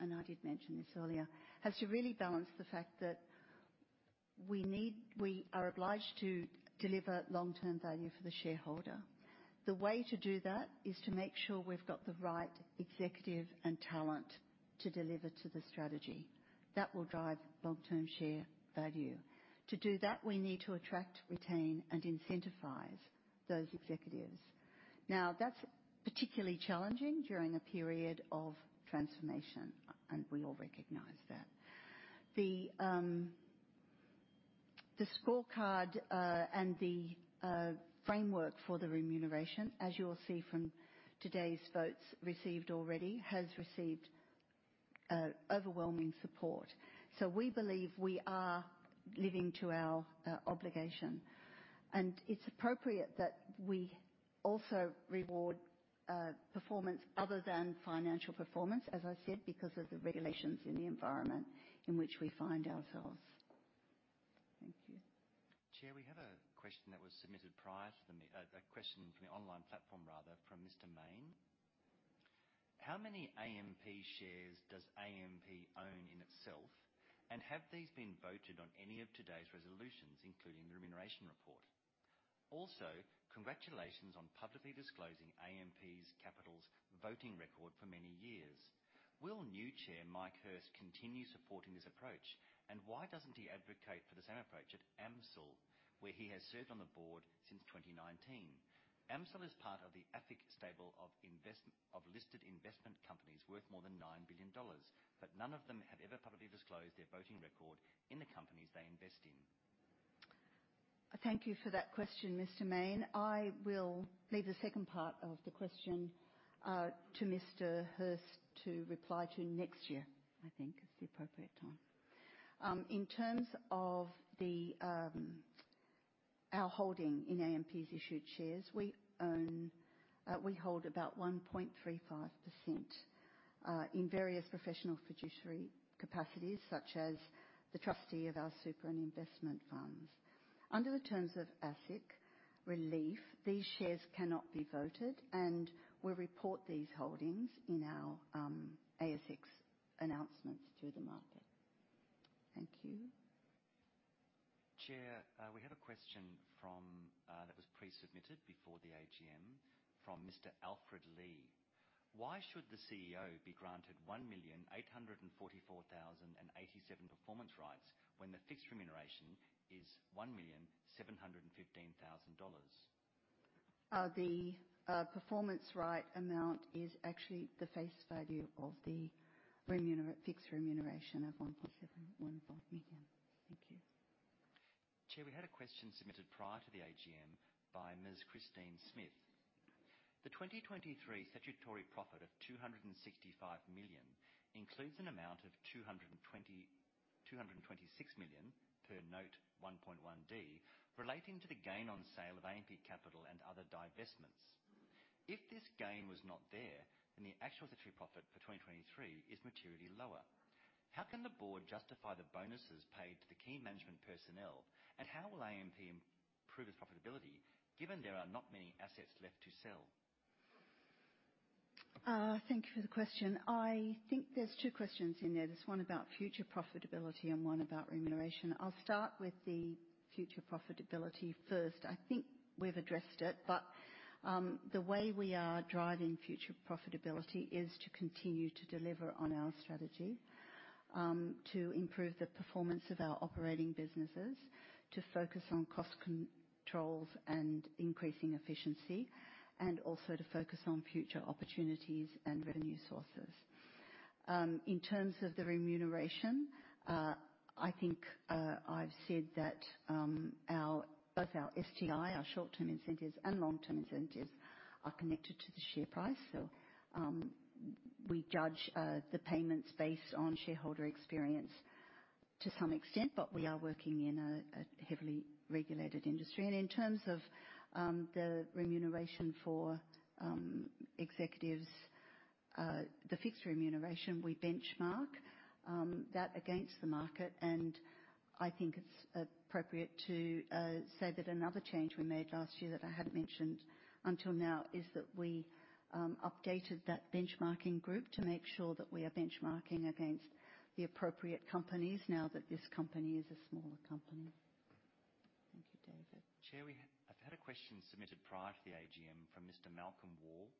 and I did mention this earlier, has to really balance the fact that we are obliged to deliver long-term value for the shareholder. The way to do that is to make sure we've got the right executive and talent to deliver to the strategy. That will drive long-term share value. To do that, we need to attract, retain, and incentivize those executives. Now, that's particularly challenging during a period of transformation, and we all recognize that. The scorecard and the framework for the remuneration, as you'll see from today's votes received already, has received overwhelming support. So we believe we are living to our obligation. It's appropriate that we also reward performance other than financial performance, as I said, because of the regulations in the environment in which we find ourselves. Thank you. Chair, we had a question that was submitted prior to the a question from the online platform, rather, from Mr. Mayne. How many AMP shares does AMP own in itself, and have these been voted on any of today's resolutions, including the remuneration report? Also, congratulations on publicly disclosing AMP's capital's voting record for many years. Will new chair Mike Hirst continue supporting this approach, and why doesn't he advocate for the same approach at AMCIL, where he has served on the board since 2019? AMCIL is part of the AFIC stable of listed investment companies worth more than 9 billion dollars, but none of them have ever publicly disclosed their voting record in the companies they invest in. Thank you for that question, Mr. Mayne. I will leave the second part of the question to Mr. Hirst to reply to next year, I think, is the appropriate time. In terms of our holding in AMP's issued shares, we hold about 1.35% in various professional fiduciary capacities such as the trustee of our super and investment funds. Under the terms of ASIC relief, these shares cannot be voted, and we report these holdings in our ASIC's announcements through the market. Thank you. Chair, we had a question that was pre-submitted before the AGM from Mr. Alfred Lee. Why should the CEO be granted 1,844,087 performance rights when the fixed remuneration is 1,715,000 dollars? The performance right amount is actually the face value of the fixed remuneration of 1.715 million dollars. Thank you. Chair, we had a question submitted prior to the AGM by Ms. Christine Smith. The 2023 statutory profit of 265 million includes an amount of 226 million per Note 1.1D relating to the gain on sale of AMP Capital and other divestments. If this gain was not there, then the actuarial profit for 2023 is materially lower. How can the board justify the bonuses paid to the key management personnel, and how will AMP improve its profitability given there are not many assets left to sell? Thank you for the question. I think there's two questions in there. There's one about future profitability and one about remuneration. I'll start with the future profitability first. I think we've addressed it, but the way we are driving future profitability is to continue to deliver on our strategy, to improve the performance of our operating businesses, to focus on cost controls and increasing efficiency, and also to focus on future opportunities and revenue sources. In terms of the remuneration, I think I've said that both our STI, our short-term incentives, and long-term incentives are connected to the share price. So we judge the payments based on shareholder experience to some extent, but we are working in a heavily regulated industry. And in terms of the fixed remuneration, we benchmark that against the market, and I think it's appropriate to say that another change we made last year that I hadn't mentioned until now is that we updated that benchmarking group to make sure that we are benchmarking against the appropriate companies now that this company is a smaller company. Thank you, David. Chair, I've had a question submitted prior to the AGM from Mr. Malcolm Wall.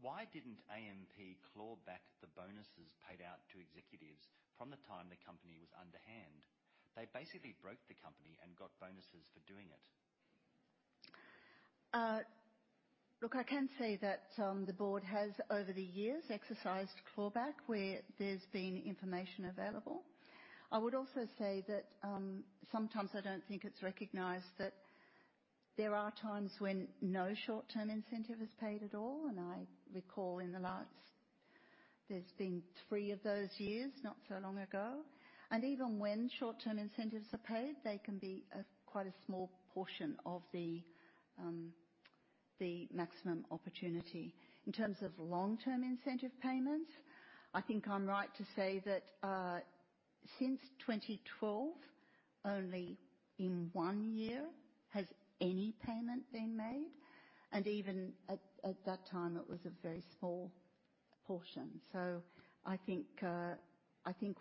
Why didn't AMP claw back the bonuses paid out to executives from the time the company was underhand? They basically broke the company and got bonuses for doing it. Look, I can say that the board has, over the years, exercised clawback where there's been information available. I would also say that sometimes I don't think it's recognised that there are times when no short-term incentive is paid at all, and I recall in the last there's been 3 of those years not so long ago. And even when short-term incentives are paid, they can be quite a small portion of the maximum opportunity. In terms of long-term incentive payments, I think I'm right to say that since 2012, only in one year has any payment been made, and even at that time, it was a very small portion. So I think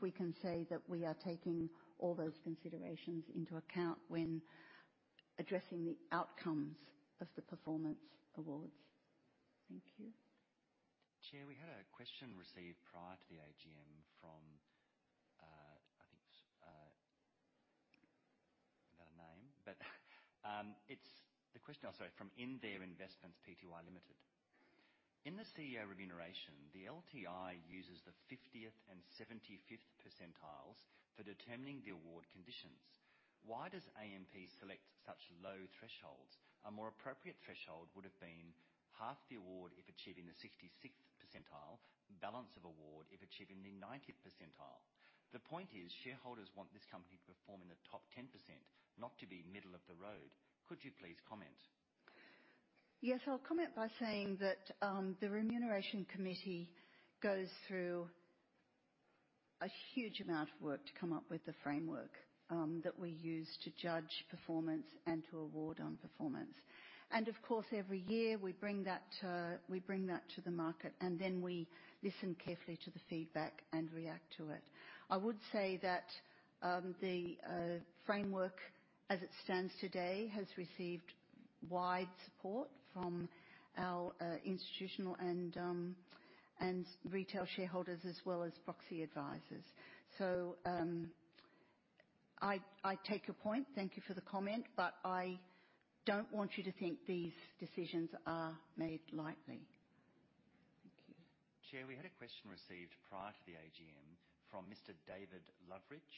we can say that we are taking all those considerations into account when addressing the outcomes of the performance awards. Thank you. Chair, we had a question received prior to the AGM from, I think, without a name, but it's the question, oh, sorry, from Inder Investments Pty Ltd. In the CEO remuneration, the LTI uses the 50th and 75th percentiles for determining the award conditions. Why does AMP select such low thresholds? A more appropriate threshold would have been half the award if achieving the 66th percentile, balance of the award if achieving the 90th percentile. The point is, shareholders want this company to perform in the top 10%, not to be middle of the road. Could you please comment? Yes, I'll comment by saying that the remuneration committee goes through a huge amount of work to come up with the framework that we use to judge performance and to award on performance. Of course, every year, we bring that to the market, and then we listen carefully to the feedback and react to it. I would say that the framework, as it stands today, has received wide support from our institutional and retail shareholders as well as proxy advisors. So I take your point. Thank you for the comment, but I don't want you to think these decisions are made lightly. Thank you. Chair, we had a question received prior to the AGM from Mr. David Lovrich.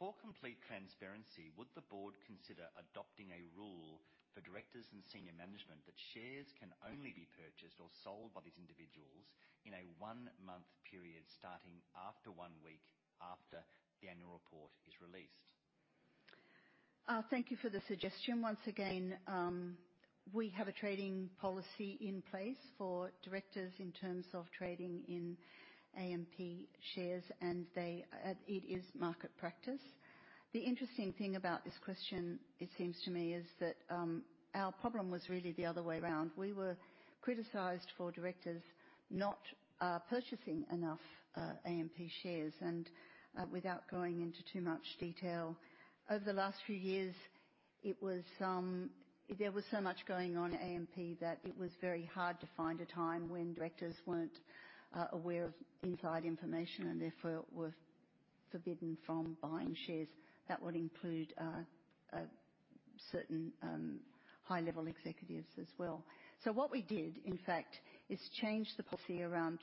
For complete transparency, would the board consider adopting a rule for directors and senior management that shares can only be purchased or sold by these individuals in a one-month period starting after one week after the annual report is released? Thank you for the suggestion. Once again, we have a trading policy in place for directors in terms of trading in AMP shares, and it is market practice. The interesting thing about this question, it seems to me, is that our problem was really the other way round. We were criticized for directors not purchasing enough AMP shares. Without going into too much detail, over the last few years, there was so much going on at AMP that it was very hard to find a time when directors weren't aware of inside information and therefore were forbidden from buying shares. That would include certain high-level executives as well. So what we did, in fact, is change the policy around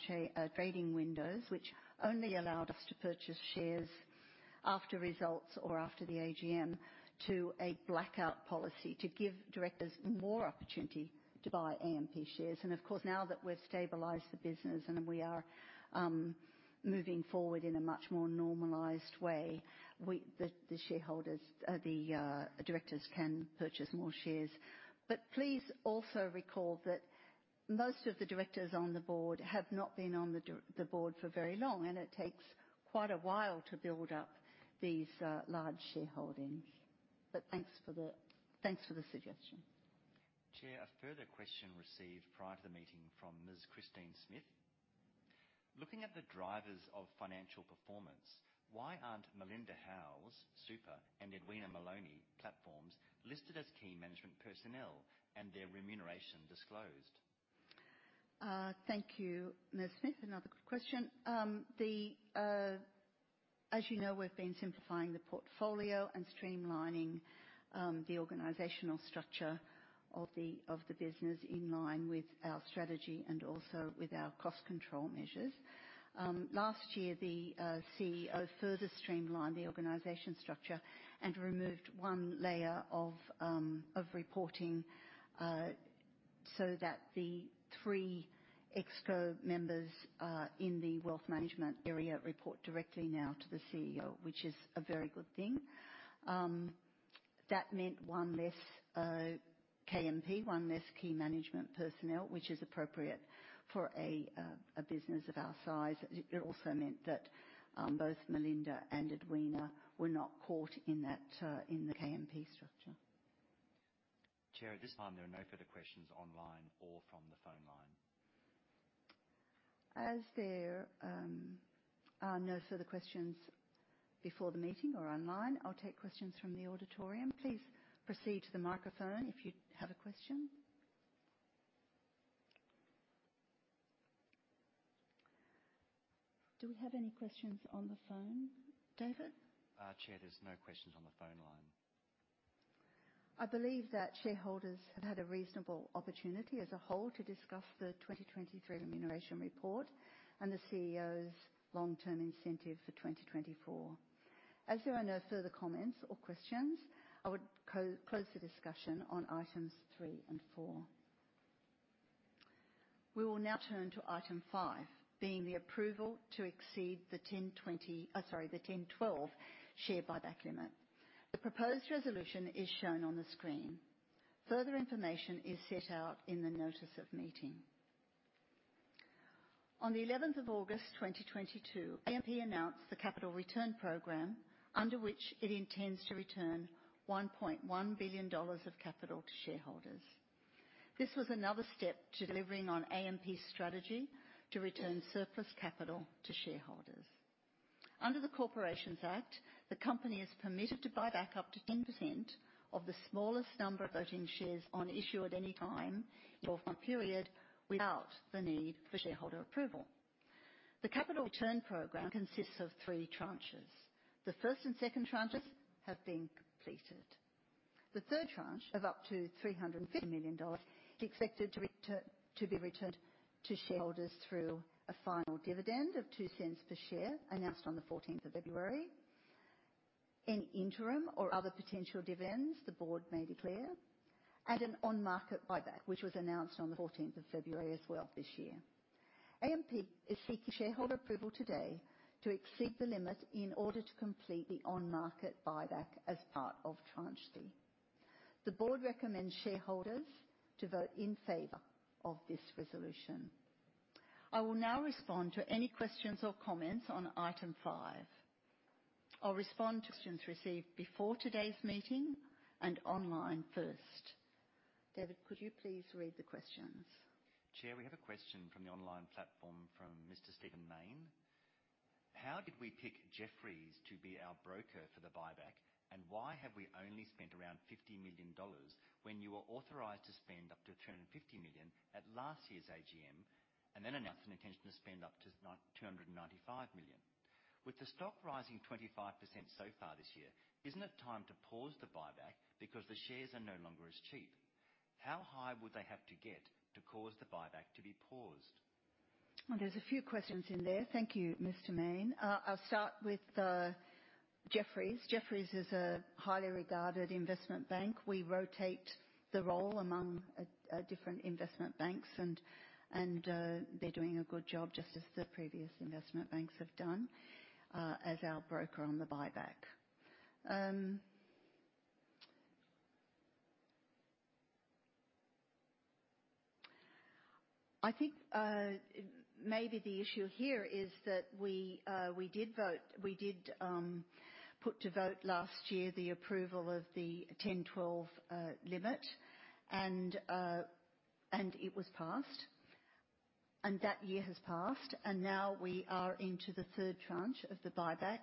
trading windows, which only allowed us to purchase shares after results or after the AGM, to a blackout policy to give directors more opportunity to buy AMP shares. Of course, now that we've stabilized the business and we are moving forward in a much more normalized way, the directors can purchase more shares. But please also recall that most of the directors on the board have not been on the board for very long, and it takes quite a while to build up these large shareholdings. But thanks for the suggestion. Chair, a further question received prior to the meeting from Ms. Christine Smith. Looking at the drivers of financial performance, why aren't Melinda Howes', super, and Edwina Maloney platforms listed as key management personnel and their remuneration disclosed? Thank you, Ms. Smith. Another quick question. As you know, we've been simplifying the portfolio and streamlining the organizational structure of the business in line with our strategy and also with our cost control measures. Last year, the CEO further streamlined the organization structure and removed one layer of reporting so that the three exco members in the wealth management area report directly now to the CEO, which is a very good thing. That meant one less KMP, one less key management personnel, which is appropriate for a business of our size. It also meant that both Melinda and Edwina were not caught in the KMP structure. Chair, at this time, there are no further questions online or from the phone line. As there are no further questions before the meeting or online, I'll take questions from the auditorium. Please proceed to the microphone if you have a question. Do we have any questions on the phone, David? Chair, there's no questions on the phone line. I believe that shareholders have had a reasonable opportunity as a whole to discuss the 2023 remuneration report and the CEO's long-term incentive for 2024. As there are no further comments or questions, I would close the discussion on items three and four. We will now turn to item five, being the approval to exceed the 10/12 share buyback limit. The proposed resolution is shown on the screen. Further information is set out in the notice of meeting. On the 11th of August, 2022, AMP announced the capital return program under which it intends to return 1.1 billion dollars of capital to shareholders. This was another step to delivering on AMP's strategy to return surplus capital to shareholders. Under the Corporations Act, the company is permitted to buy back up to 10% of the smallest number of voting shares on issue at any time or for a period without the need for shareholder approval. The capital return program consists of three tranches. The first and second tranches have been completed. The third tranche of up to 350 million dollars is expected to be returned to shareholders through a final dividend of 0.02 per share announced on the 14th of February, any interim or other potential dividends the board may declare, and an on-market buyback which was announced on the 14th of February as well this year. AMP is seeking shareholder approval today to exceed the limit in order to complete the on-market buyback as part of tranche three. The board recommends shareholders to vote in favor of this resolution. I will now respond to any questions or comments on item five. I'll respond to questions received before today's meeting and online first. David, could you please read the questions? Chair, we have a question from the online platform from Mr. Stephen Mayne. How did we pick Jefferies to be our broker for the buyback, and why have we only spent around 50 million dollars when you were authorized to spend up to 350 million at last year's AGM and then announced an intention to spend up to 295 million? With the stock rising 25% so far this year, isn't it time to pause the buyback because the shares are no longer as cheap? How high would they have to get to cause the buyback to be paused? There's a few questions in there. Thank you, Mr. Mayne. I'll start with Jefferies. Jefferies is a highly regarded investment bank. We rotate the role among different investment banks, and they're doing a good job just as the previous investment banks have done as our broker on the buyback. I think maybe the issue here is that we did put to vote last year the approval of the 10/12 limit, and it was passed. That year has passed, and now we are into the third tranche of the buyback,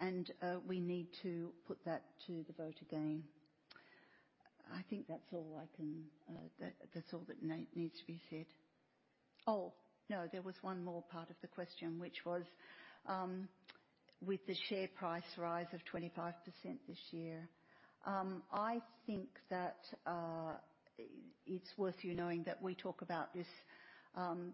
and we need to put that to the vote again. I think that's all that needs to be said. Oh, no, there was one more part of the question, which was with the share price rise of 25% this year. I think that it's worth you knowing that we talk about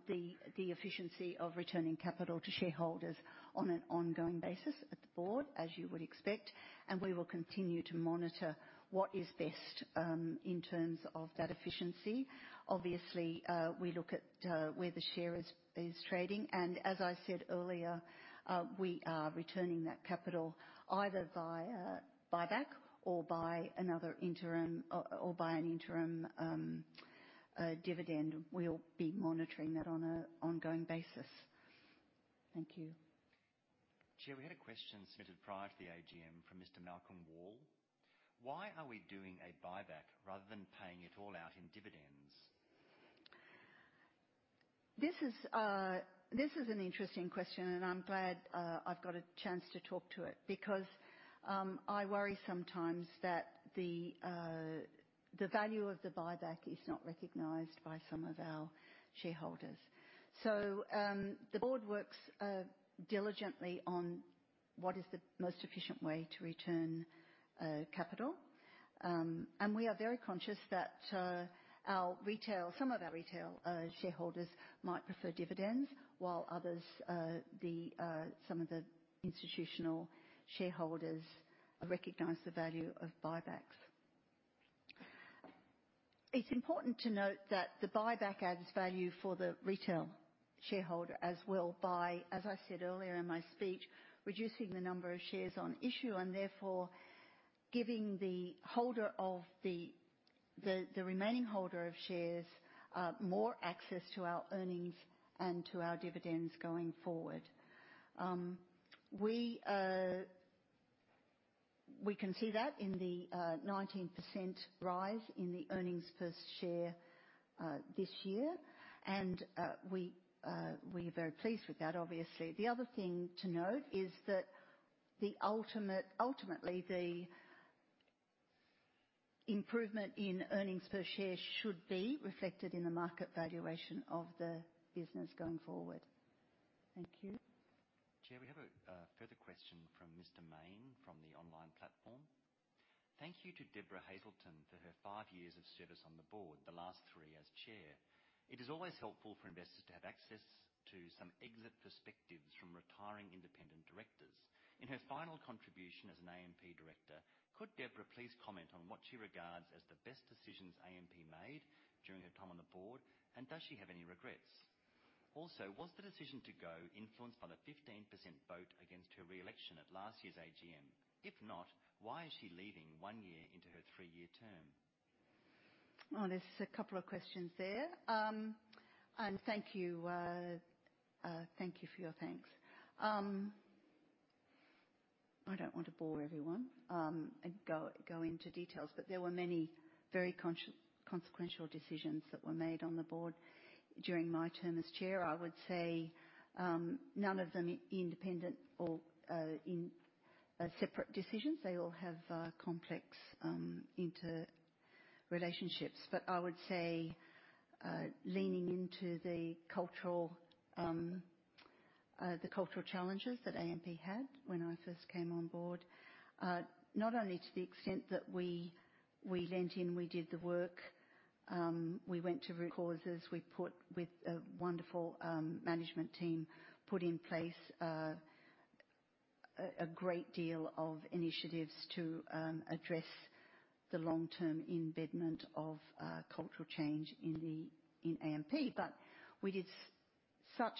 the efficiency of returning capital to shareholders on an ongoing basis at the board, as you would expect, and we will continue to monitor what is best in terms of that efficiency. Obviously, we look at where the share is trading, and as I said earlier, we are returning that capital either via buyback or by another interim or by an interim dividend. We'll be monitoring that on an ongoing basis. Thank you. Chair, we had a question submitted prior to the AGM from Mr. Malcolm Wall. Why are we doing a buyback rather than paying it all out in dividends? This is an interesting question, and I'm glad I've got a chance to talk to it because I worry sometimes that the value of the buyback is not recognized by some of our shareholders. So the board works diligently on what is the most efficient way to return capital, and we are very conscious that some of our retail shareholders might prefer dividends while some of the institutional shareholders recognize the value of buybacks. It's important to note that the buyback adds value for the retail shareholder as well by, as I said earlier in my speech, reducing the number of shares on issue and therefore giving the remaining holder of shares more access to our earnings and to our dividends going forward. We can see that in the 19% rise in the earnings per share this year, and we are very pleased with that, obviously. The other thing to note is that ultimately, the improvement in earnings per share should be reflected in the market valuation of the business going forward. Thank you. Chair, we have a further question from Mr. Mayne from the online platform. Thank you to Debra Hazelton for her five years of service on the board, the last three as chair. It is always helpful for investors to have access to some exit perspectives from retiring independent directors. In her final contribution as an AMP director, could Debra please comment on what she regards as the best decisions AMP made during her time on the board, and does she have any regrets? Also, was the decision to go influenced by the 15% vote against her re-election at last year's AGM? If not, why is she leaving one year into her three-year term? There's a couple of questions there, and thank you for your thanks. I don't want to bore everyone and go into details, but there were many very consequential decisions that were made on the board during my term as chair. I would say none of them are independent or separate decisions. They all have complex interrelationships. But I would say leaning into the cultural challenges that AMP had when I first came on board, not only to the extent that we leaned in, we did the work, we went to causes. With a wonderful management team, we put in place a great deal of initiatives to address the long-term embedment of cultural change in AMP. But we did such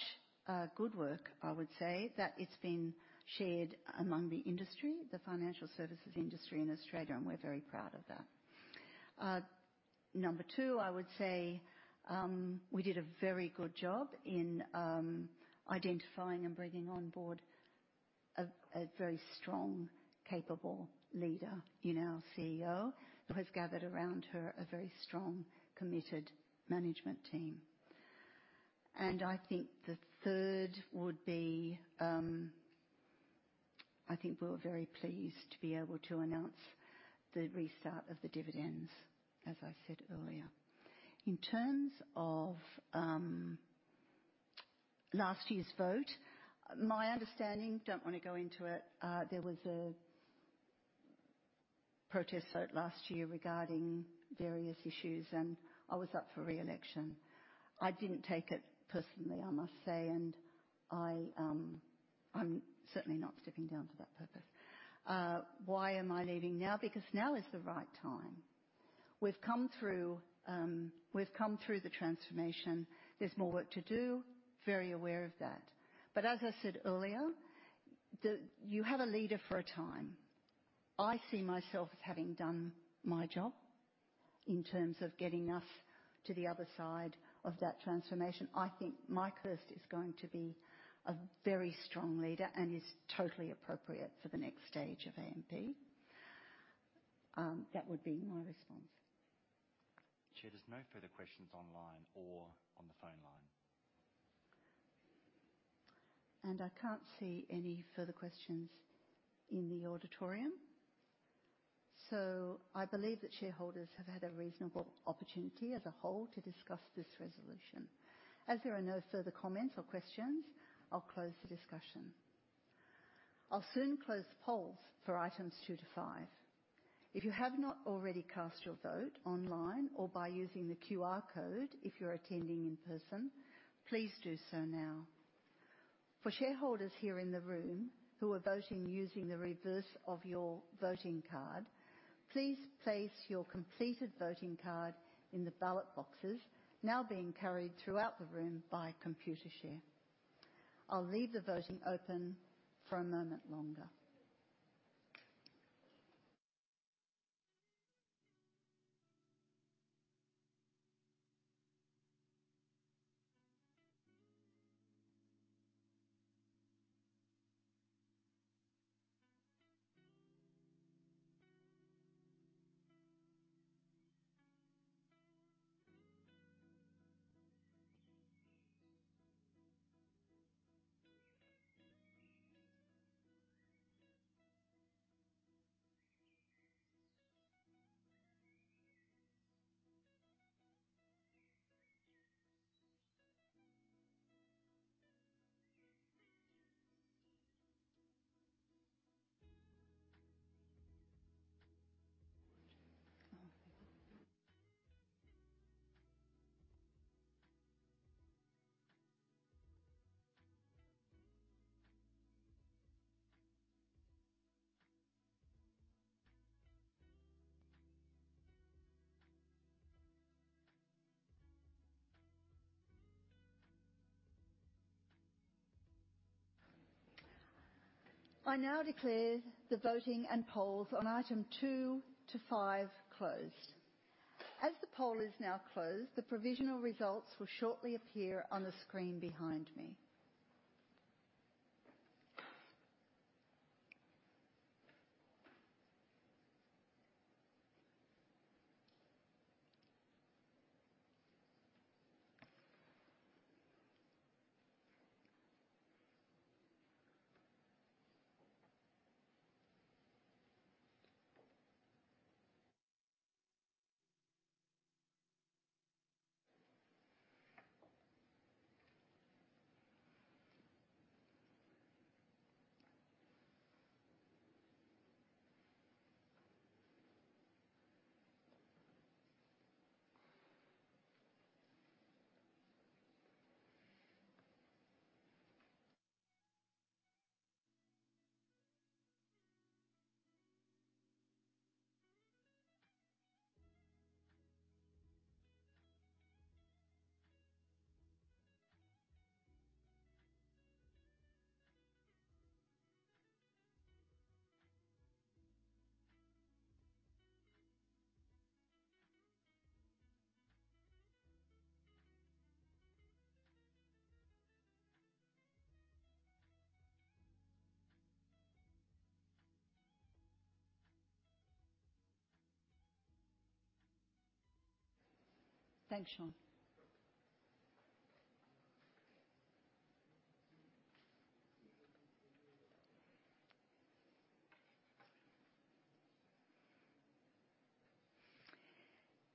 good work, I would say, that it's been shared among the industry, the financial services industry in Australia, and we're very proud of that. Number two, I would say we did a very good job in identifying and bringing on board a very strong, capable leader in our CEO who has gathered around her a very strong, committed management team. And I think the third would be I think we were very pleased to be able to announce the restart of the dividends, as I said earlier. In terms of last year's vote, my understanding, don't want to go into it, there was a protest vote last year regarding various issues, and I was up for re-election. I didn't take it personally, I must say, and I'm certainly not stepping down for that purpose. Why am I leaving now? Because now is the right time. We've come through the transformation. There's more work to do. Very aware of that. But as I said earlier, you have a leader for a time. I see myself as having done my job in terms of getting us to the other side of that transformation. I think Mike Hirst is going to be a very strong leader and is totally appropriate for the next stage of AMP. That would be my response. Chair, there's no further questions online or on the phone line. I can't see any further questions in the auditorium. So I believe that shareholders have had a reasonable opportunity as a whole to discuss this resolution. As there are no further comments or questions, I'll close the discussion. I'll soon close the polls for items two to five. If you have not already cast your vote online or by using the QR code if you're attending in person, please do so now. For shareholders here in the room who are voting using the reverse of your voting card, please place your completed voting card in the ballot boxes now being carried throughout the room by Computershare. I'll leave the voting open for a moment longer. I now declare the voting and polls on item 2 to 5 closed. As the poll is now closed, the provisional results will shortly appear on the screen behind me. Thanks, Sean.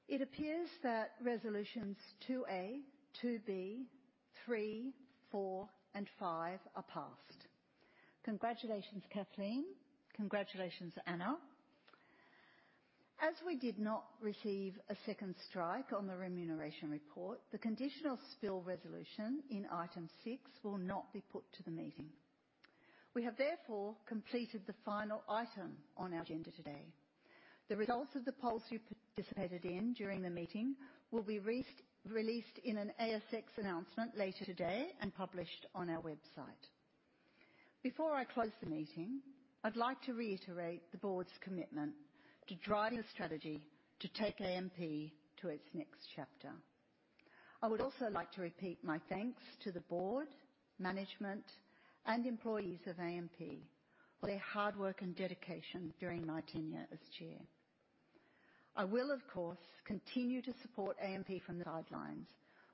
It appears that resolutions 2A, 2B, 3, 4, and 5 are passed. Congratulations, Kathleen. Congratulations, Anna. As we did not receive a second strike on the remuneration report, the conditional spill resolution in item 6 will not be put to the meeting. We have therefore completed the final item on our agenda today. The results of the polls you participated in during the meeting will be released in an ASX announcement later today and published on our website. Before I close the meeting, I'd like to reiterate the board's commitment to driving a strategy to take AMP to its next chapter. I would also like to repeat my thanks to the board, management, and employees of AMP for their hard work and dedication during my tenure as chair. I will, of course, continue to support AMP from the sidelines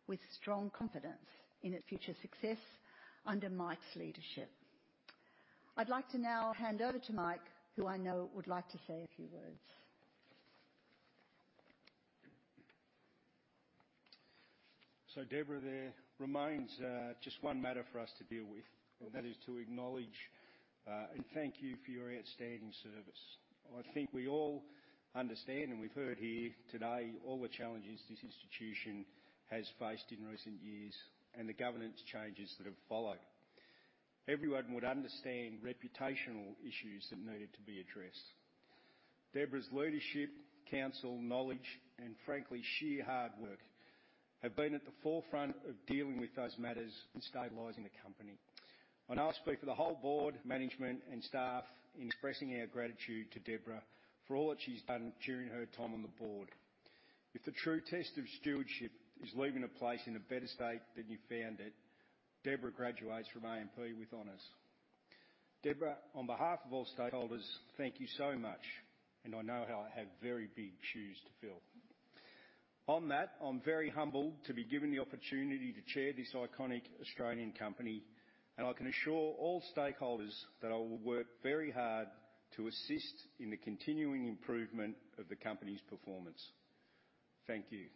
with strong confidence in its future success under Mike's leadership. I'd like to now hand over to Mike, who I know would like to say a few words. So Debra, there remains just one matter for us to deal with, and that is to acknowledge and thank you for your outstanding service. I think we all understand, and we've heard here today, all the challenges this institution has faced in recent years and the governance changes that have followed. Everyone would understand reputational issues that needed to be addressed. Debra's leadership, counsel, knowledge, and frankly, sheer hard work have been at the forefront of dealing with those matters and stabilizing the company. I now speak for the whole board, management, and staff in expressing our gratitude to Debra for all that she's done during her time on the board. If the true test of stewardship is leaving a place in a better state than you found it, Debra graduates from AMP with honors. Debra, on behalf of all stakeholders, thank you so much, and I know how I have very big shoes to fill. On that, I'm very humbled to be given the opportunity to chair this iconic Australian company, and I can assure all stakeholders that I will work very hard to assist in the continuing improvement of the company's performance. Thank you.